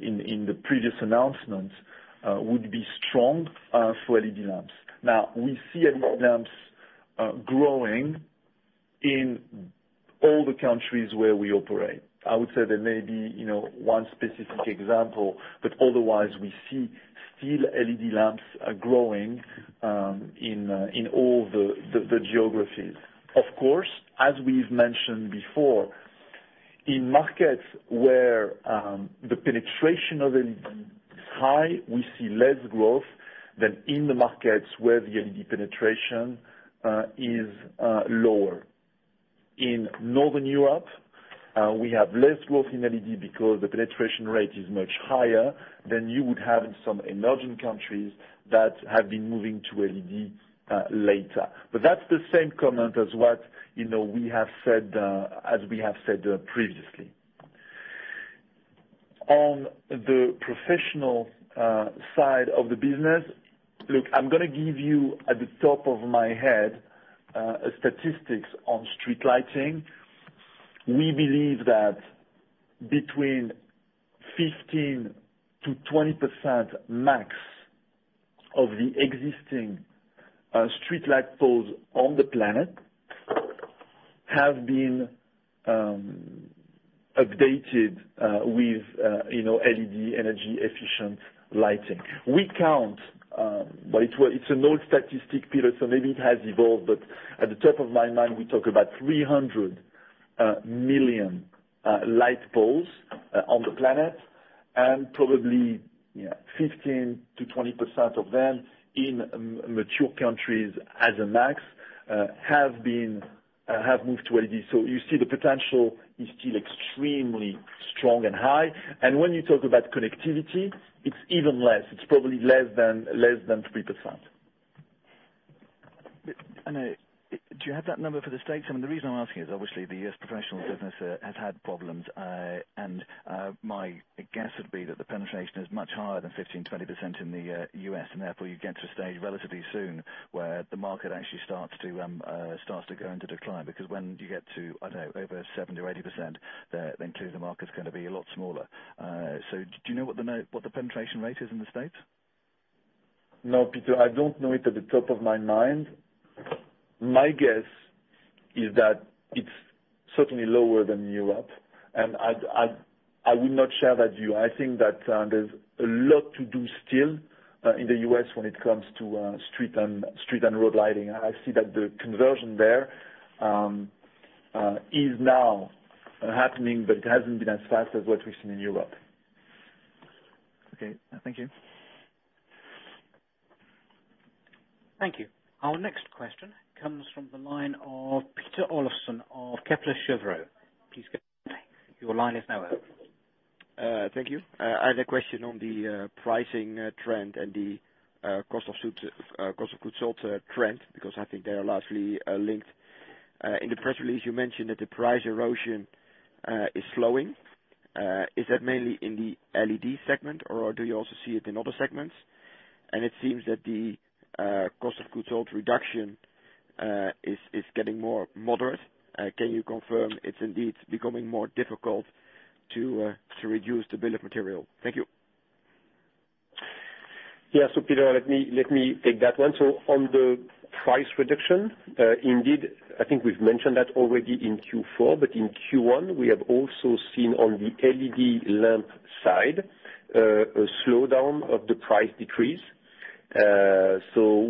in the previous announcements, would be strong for LED lamps. Now, we see LED lamps growing in all the countries where we operate. I would say there may be one specific example. Otherwise, we see still LED lamps are growing in all the geographies. Of course, as we've mentioned before, in markets where the penetration of LED is high, we see less growth than in the markets where the LED penetration is lower. In Northern Europe, we have less growth in LED because the penetration rate is much higher than you would have in some emerging countries that have been moving to LED later. That's the same comment as we have said previously. On the professional side of the business. Look, I'm going to give you at the top of my head statistics on street lighting. We believe that between 15%-20% max of the existing street light poles on the planet have been updated with LED energy-efficient lighting. We count, but it's an old statistic, Peter, so maybe it has evolved, but at the top of my mind, we talk about 300 million light poles on the planet, and probably 15%-20% of them in mature countries as a max, have moved to LED. You see the potential is still extremely strong and high. When you talk about connectivity, it's even less. It's probably less than 3%. Do you have that number for the U.S.? The reason I'm asking is obviously the U.S. professional business has had problems. My guess would be that the penetration is much higher than 15%-20% in the U.S., and therefore, you get to a stage relatively soon where the market actually starts to go into decline. Because when you get to, I don't know, over 70% or 80%, then clearly the market's going to be a lot smaller. Do you know what the penetration rate is in the U.S.? No, Peter. I don't know it at the top of my mind. My guess is that it's certainly lower than Europe. I would not share that view. I think that there's a lot to do still in the U.S. when it comes to street and road lighting. I see that the conversion there is now happening, it hasn't been as fast as what we've seen in Europe. Okay. Thank you. Thank you. Our next question comes from the line of Peter Olofsen of Kepler Cheuvreux. Please go ahead. Your line is now open. Thank you. I have a question on the pricing trend and the cost of goods sold trend, because I think they are largely linked. In the press release, you mentioned that the price erosion is slowing. Is that mainly in the LED segment, or do you also see it in other segments? It seems that the cost of goods sold reduction is getting more moderate. Can you confirm it's indeed becoming more difficult to reduce the bill of material? Thank you. Yeah. Peter, let me take that one. On the price reduction, indeed, I think we've mentioned that already in Q4, but in Q1 we have also seen on the LED lamp side, a slowdown of the price decrease.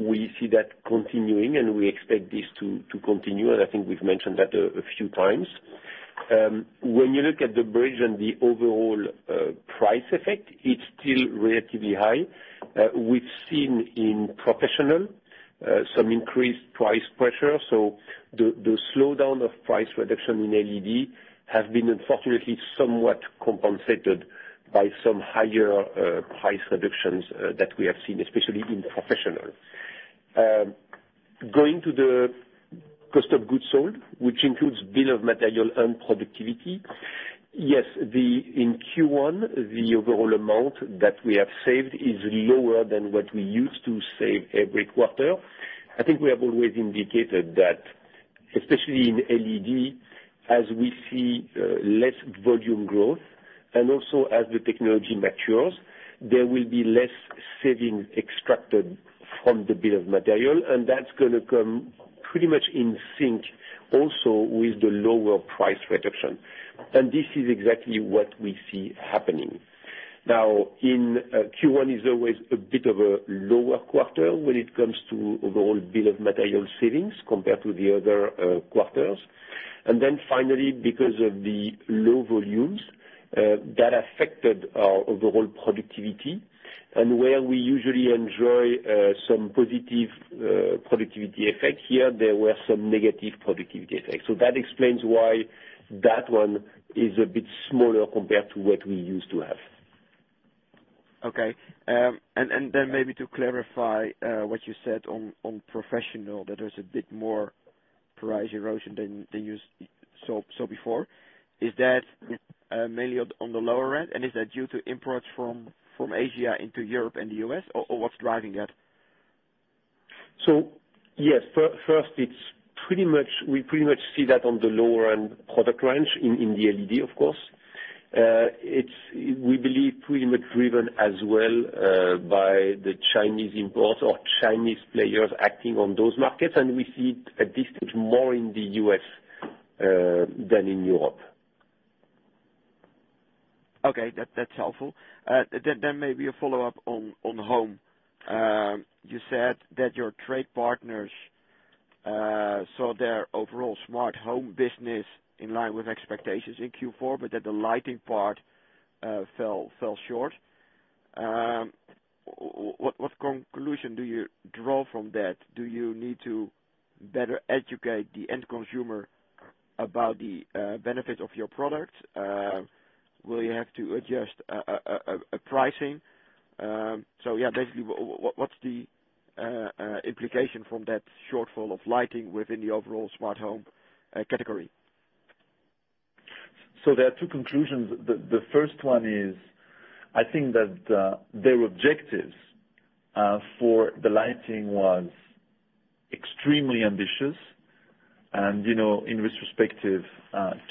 We see that continuing, and we expect this to continue, and I think we've mentioned that a few times. When you look at the bridge and the overall price effect, it's still relatively high. We've seen in professional, some increased price pressure. The slowdown of price reduction in LED has been unfortunately somewhat compensated by some higher price reductions that we have seen, especially in the professional. Going to the cost of goods sold, which includes bill of material and productivity. Yes, in Q1, the overall amount that we have saved is lower than what we used to save every quarter. I think we have always indicated that, especially in LED, as we see less volume growth, and also as the technology matures, there will be less savings extracted from the bill of material. That's going to come pretty much in sync also with the lower price reduction. This is exactly what we see happening. Now, in Q1 is always a bit of a lower quarter when it comes to overall bill of material savings compared to the other quarters. Finally, because of the low volumes, that affected our overall productivity. Where we usually enjoy some positive productivity effect, here there were some negative productivity effects. That explains why that one is a bit smaller compared to what we used to have. Okay. Maybe to clarify what you said on professional, that there's a bit more price erosion than you saw before. Is that mainly on the lower end? Is that due to imports from Asia into Europe and the U.S., or what's driving that? Yes. First, we pretty much see that on the lower end product range in the LED, of course. We believe pretty much driven as well by the Chinese imports or Chinese players acting on those markets, and we see it a distance more in the U.S. than in Europe. That's helpful. Maybe a follow-up on home. You said that your trade partners saw their overall smart home business in line with expectations in Q4, but that the lighting part fell short. What conclusion do you draw from that? Do you need to better educate the end consumer about the benefits of your product? Will you have to adjust pricing? What's the implication from that shortfall of lighting within the overall smart home category? There are two conclusions. The first one is, I think that their objectives for the lighting was extremely ambitious and in retrospective,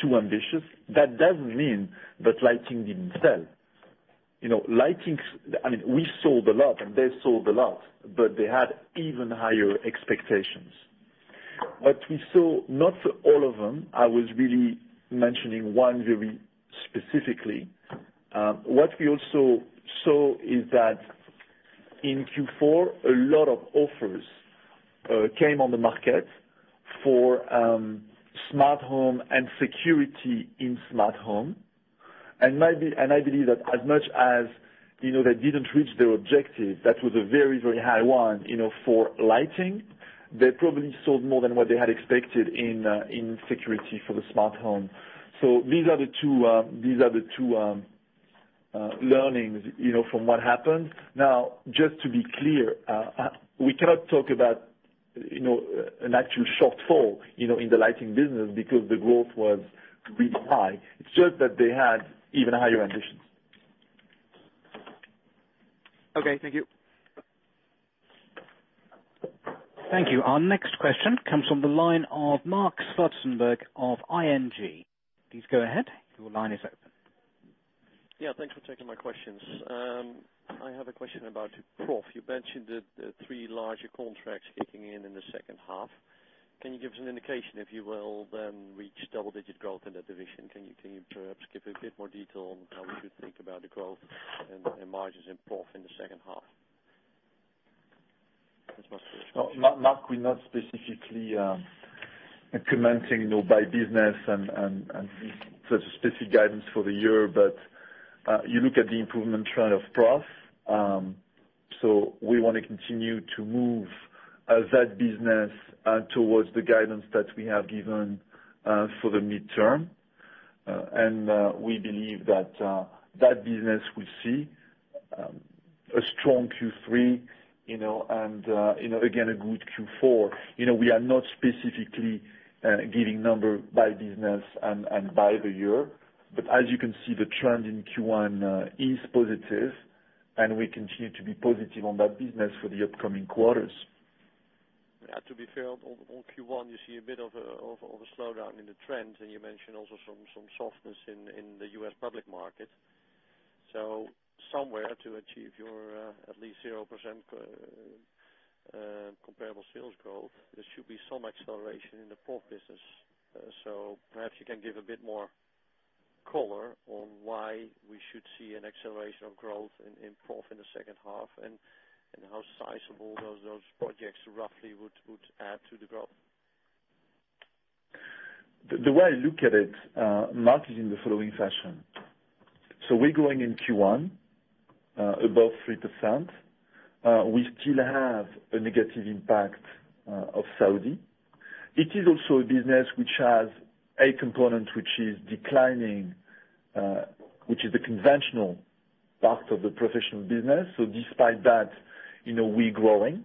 too ambitious. That doesn't mean that lighting didn't sell. We sold a lot and they sold a lot, but they had even higher expectations. We saw not all of them. I was really mentioning one very specifically. What we also saw is that in Q4, a lot of offers came on the market for smart home and security in smart home. I believe that as much as they didn't reach their objective, that was a very high one. For lighting, they probably sold more than what they had expected in security for the smart home. These are the two learnings from what happened. Just to be clear, we cannot talk about an actual shortfall in the lighting business because the growth was really high. It's just that they had even higher ambitions. Okay, thank you. Thank you. Our next question comes from the line of Marc Sleenhoff of ING. Please go ahead. Your line is open. Thanks for taking my questions. I have a question about prof. You mentioned the three larger contracts kicking in in the second half. Can you give us an indication, if you will, then reach double-digit growth in that division? Can you perhaps give a bit more detail on how we should think about the growth and margins in prof in the second half? That's my first question. Marc, we're not specifically commenting by business and such a specific guidance for the year. You look at the improvement trend of prof. We want to continue to move that business towards the guidance that we have given for the midterm. We believe that that business will see a strong Q3 and again, a good Q4. We are not specifically giving number by business and by the year. As you can see, the trend in Q1 is positive, and we continue to be positive on that business for the upcoming quarters. To be fair, on Q1 you see a bit of a slowdown in the trends, and you mentioned also some softness in the U.S. public market. Somewhere to achieve your at least 0% Comparable Sales Growth, there should be some acceleration in the Prof business. Perhaps you can give a bit more color on why we should see an acceleration of growth in Prof in the second half, and how sizable those projects roughly would add to the growth. The way I look at it, Marc, is in the following fashion. We're growing in Q1 above 3%. We still have a negative impact of Saudi. It is also a business which has a component which is declining, which is the conventional part of the professional business. Despite that, we're growing.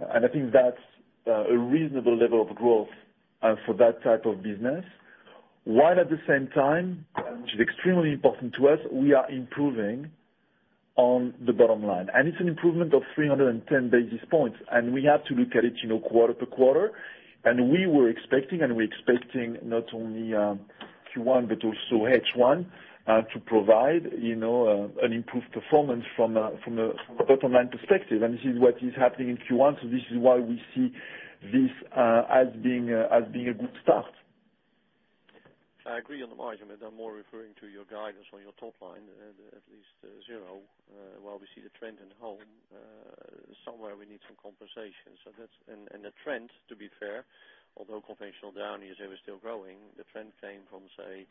I think that's a reasonable level of growth for that type of business. While at the same time, which is extremely important to us, we are improving on the bottom line. It's an improvement of 310 basis points. We have to look at it quarter to quarter. We were expecting, and we're expecting not only Q1 but also H1 to provide an improved performance from a bottom-line perspective. This is what is happening in Q1. This is why we see this as being a good start. I agree on the margin, I'm more referring to your guidance on your top line, at least 0, while we see the trend in home. Somewhere we need some compensation. The trend, to be fair, although conventional down, as you say, we're still growing. The trend came from, say,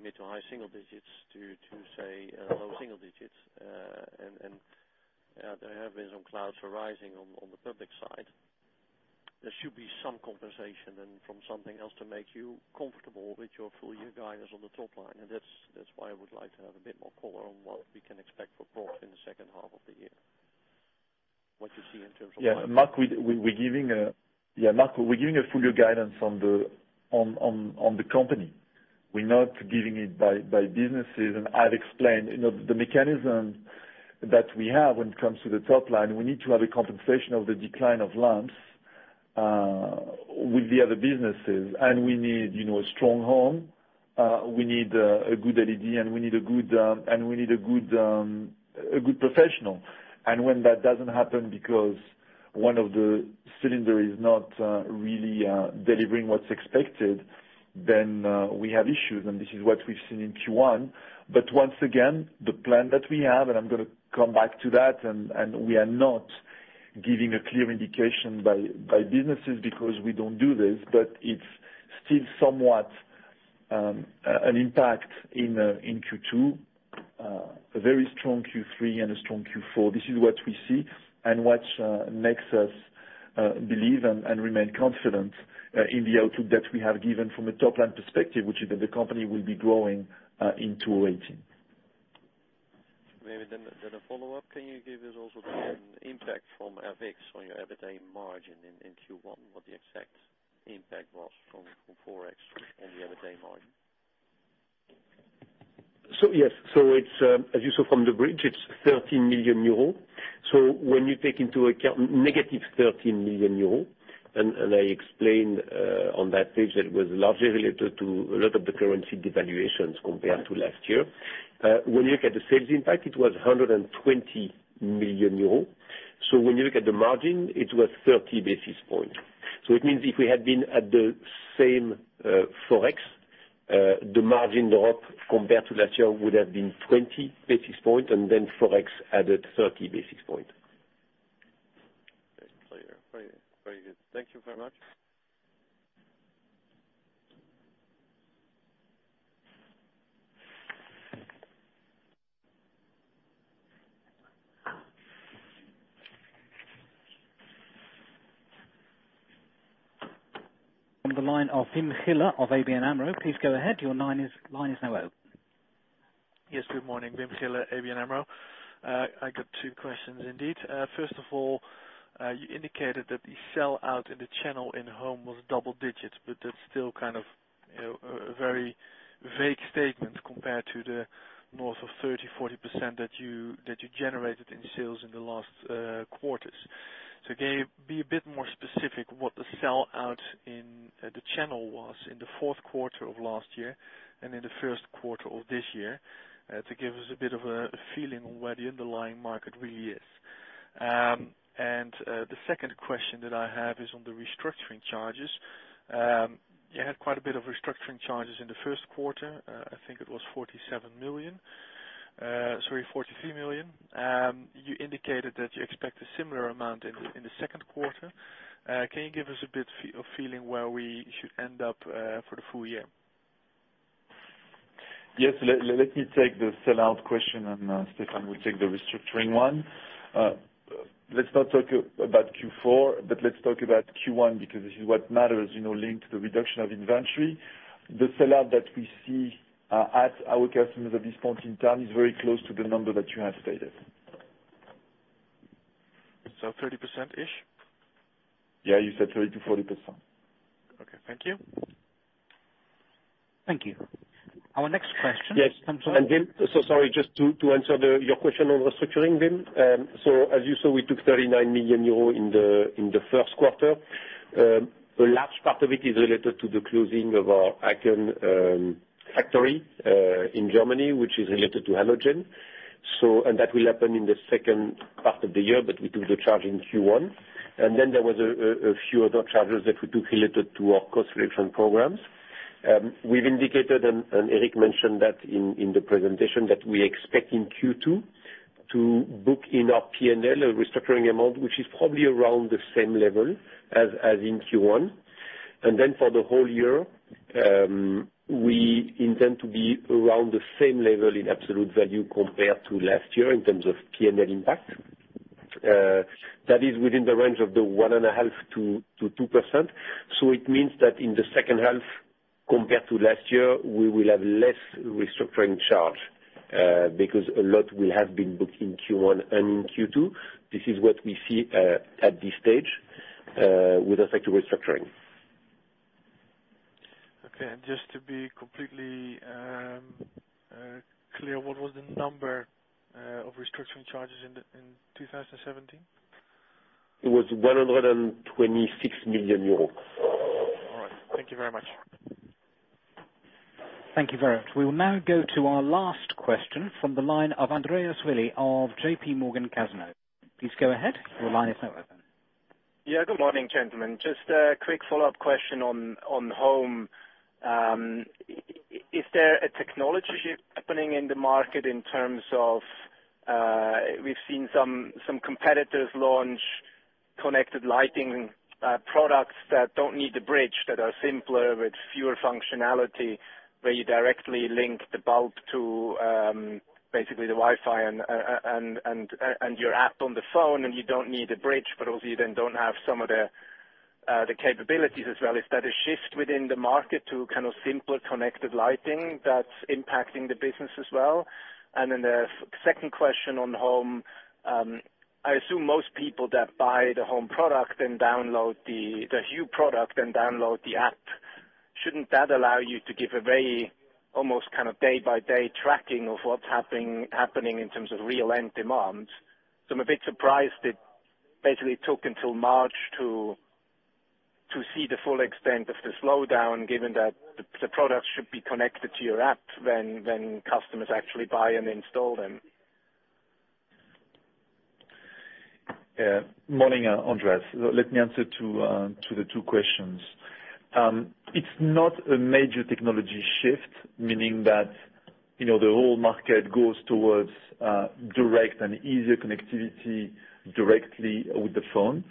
mid-to-high single digits to say low single digits. There have been some clouds arising on the public side. There should be some compensation then from something else to make you comfortable with your full year guidance on the top line. That's why I would like to have a bit more color on what we can expect for Prof in the second half of the year. What you see in terms of- Yeah, Marc, we're giving a full year guidance on the company. We're not giving it by businesses. I've explained the mechanism that we have when it comes to the top line, we need to have a compensation of the decline of lamps with the other businesses. We need a strong home. We need a good LED and we need a good professional. When that doesn't happen because one of the cylinders is not really delivering what's expected, then we have issues, and this is what we've seen in Q1. Once again, the plan that we have, and I'm going to come back to that, and we are not giving a clear indication by businesses because we don't do this, but it's still somewhat an impact in Q2, a very strong Q3 and a strong Q4. This is what we see and what makes us believe and remain confident in the outlook that we have given from a top-line perspective, which is that the company will be growing in 2018. Maybe a follow-up. Can you give us also the impact from FX on your EBITDA margin in Q1, what the exact impact was from Forex on the EBITDA margin? Yes. As you saw from the bridge, it's 13 million euros. When you take into account negative 13 million euros, I explained on that page that it was largely related to a lot of the currency devaluations compared to last year. When you look at the sales impact, it was 120 million euros. When you look at the margin, it was 30 basis points. It means if we had been at the same Forex, the margin drop compared to last year would have been 20 basis points, Forex added 30 basis points. Very clear. Very good. Thank you very much. On the line of Wim Gille of ABN AMRO, please go ahead. Your line is now open. Yes, good morning. Wim Gille, ABN AMRO. I got two questions indeed. You indicated that the sell out in the channel in Home was double digits, but that is still kind of a very vague statement compared to the north of 30%, 40% that you generated in sales in the last quarters. Can you be a bit more specific what the sell out in the channel was in the fourth quarter of last year and in the first quarter of this year to give us a bit of a feeling on where the underlying market really is? The second question that I have is on the restructuring charges. You had quite a bit of restructuring charges in the first quarter. I think it was 47 million. Sorry, 43 million. You indicated that you expect a similar amount in the second quarter. Can you give us a bit of feeling where we should end up for the full year? Yes. Let me take the sell-out question, and Stéphane will take the restructuring one. Let us not talk about Q4, but let us talk about Q1 because this is what matters, linked to the reduction of inventory. The sell out that we see at our customers at this point in time is very close to the number that you have stated. 30%-ish? Yeah, you said 30%-40%. Okay, thank you. Thank you. Our next question. Wim, sorry, just to answer your question on restructuring, Wim. As you saw, we took EUR 39 million in the first quarter. That will happen in the second part of the year, but we took the charge in Q1. Then there was a few other charges that we took related to our cost reduction programs. We've indicated, Eric mentioned that in the presentation, that we expect in Q2 to book in our P&L a restructuring amount, which is probably around the same level as in Q1. Then for the whole year, we intend to be around the same level in absolute value compared to last year in terms of P&L impact. That is within the range of the 1.5%-2%. It means that in the second half, compared to last year, we will have less restructuring charge, because a lot will have been booked in Q1 and in Q2. This is what we see at this stage, with effect to restructuring. Okay, just to be completely clear, what was the number of restructuring charges in 2017? It was 126 million euros. All right. Thank you very much. Thank you very much. We will now go to our last question from the line of Andreas Willi of J.P. Morgan Cazenove. Please go ahead. Your line is now open. Good morning, gentlemen. Just a quick follow-up question on Home. Is there a technology shift happening in the market in terms of, we've seen some competitors launch connected lighting products that don't need the bridge, that are simpler with fewer functionality, where you directly link the bulb to basically the Wi-Fi and your app on the phone, and you don't need a bridge, but obviously you then don't have some of the capabilities as well. Is that a shift within the market to kind of simpler connected lighting that's impacting the business as well? Then the second question on Home. I assume most people that buy the Home product and download the Hue product and download the app, shouldn't that allow you to give a very almost kind of day-by-day tracking of what's happening in terms of real end demand? I'm a bit surprised it basically took until March to see the full extent of the slowdown given that the product should be connected to your app when customers actually buy and install them. Yeah. Morning, Andreas. Let me answer to the two questions. It is not a major technology shift, meaning that the whole market goes towards direct and easier connectivity directly with the phone.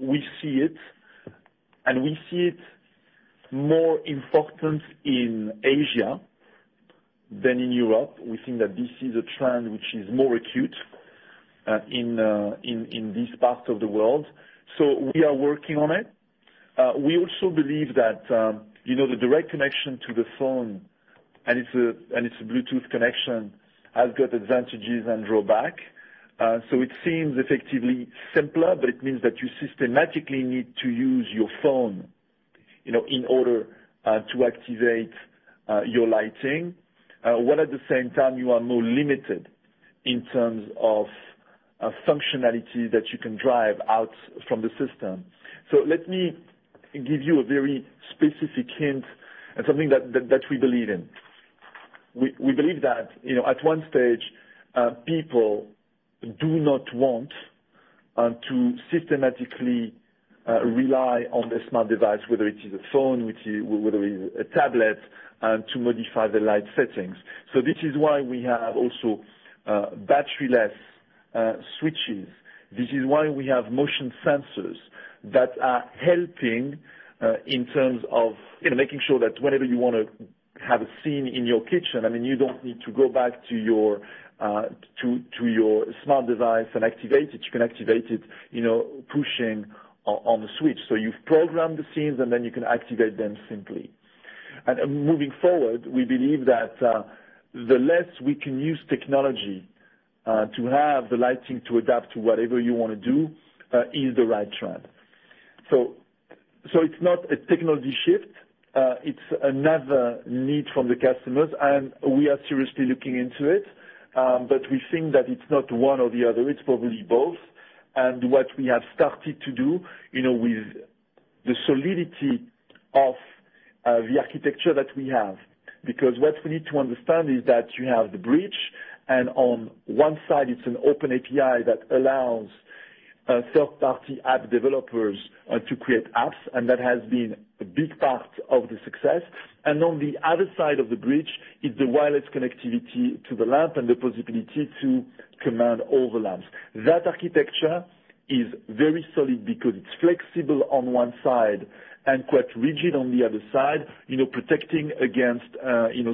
We see it, and we see it more important in Asia than in Europe. We think that this is a trend which is more acute in this part of the world. We are working on it. We also believe that the direct connection to the phone, and it is a Bluetooth connection, has got advantages and drawback. It seems effectively simpler, but it means that you systematically need to use your phone in order to activate your lighting. While at the same time you are more limited in terms of functionality that you can drive out from the system. Let me give you a very specific hint and something that we believe in. We believe that, at one stage, people do not want to systematically rely on the smart device, whether it is a phone, whether it is a tablet, to modify the light settings. This is why we have also battery-less switches. This is why we have motion sensors that are helping in terms of making sure that whenever you want to have a scene in your kitchen, you do not need to go back to your smart device and activate it. You can activate it pushing on the switch. You have programmed the scenes, and then you can activate them simply. Moving forward, we believe that the less we can use technology to have the lighting to adapt to whatever you want to do, is the right trend. It is not a technology shift. It is another need from the customers, and we are seriously looking into it. We think that it is not one or the other, it is probably both. What we have started to do, with the solidity of the architecture that we have, because what we need to understand is that you have the bridge, and on one side it is an open API that allows third-party app developers to create apps, and that has been a big part of the success. On the other side of the bridge is the wireless connectivity to the lamp and the possibility to command all the lamps. That architecture is very solid because it is flexible on one side and quite rigid on the other side, protecting against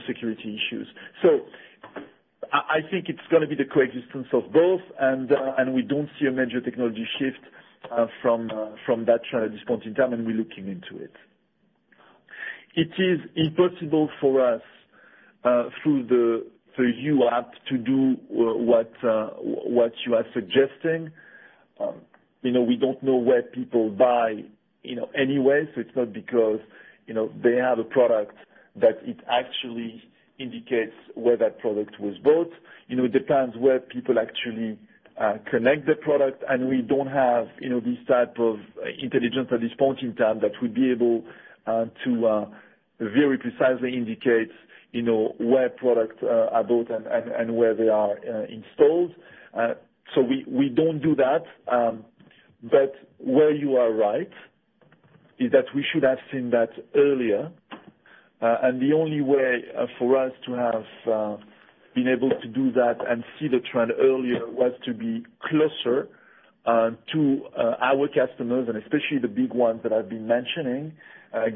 security issues. I think it is going to be the coexistence of both, and we do not see a major technology shift from that trend at this point in time, and we are looking into it. It is impossible for us, through the Hue app, to do what you are suggesting. We do not know where people buy anyway, it is not because they have a product that it actually indicates where that product was bought. It depends where people actually connect the product, and we do not have this type of intelligence at this point in time that would be able to very precisely indicate where products are bought and where they are installed. We do not do that. Where you are right is that we should have seen that earlier. The only way for us to have been able to do that and see the trend earlier was to be closer to our customers, and especially the big ones that I have been mentioning,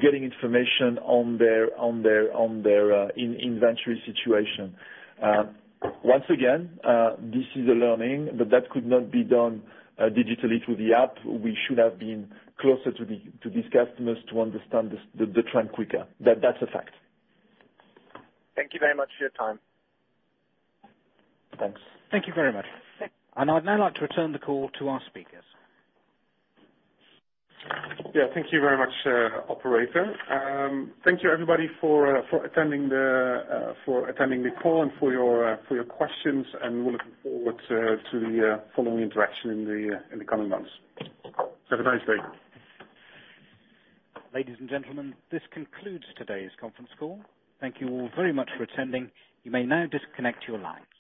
getting information on their inventory situation. Once again, this is a learning, that could not be done digitally through the app. We should have been closer to these customers to understand the trend quicker. That's a fact. Thank you very much for your time. Thanks. Thank you very much. I'd now like to return the call to our speakers. Thank you very much, operator. Thank you everybody for attending the call and for your questions. We're looking forward to the following interaction in the coming months. Have a nice day. Ladies and gentlemen, this concludes today's conference call. Thank you all very much for attending. You may now disconnect your lines.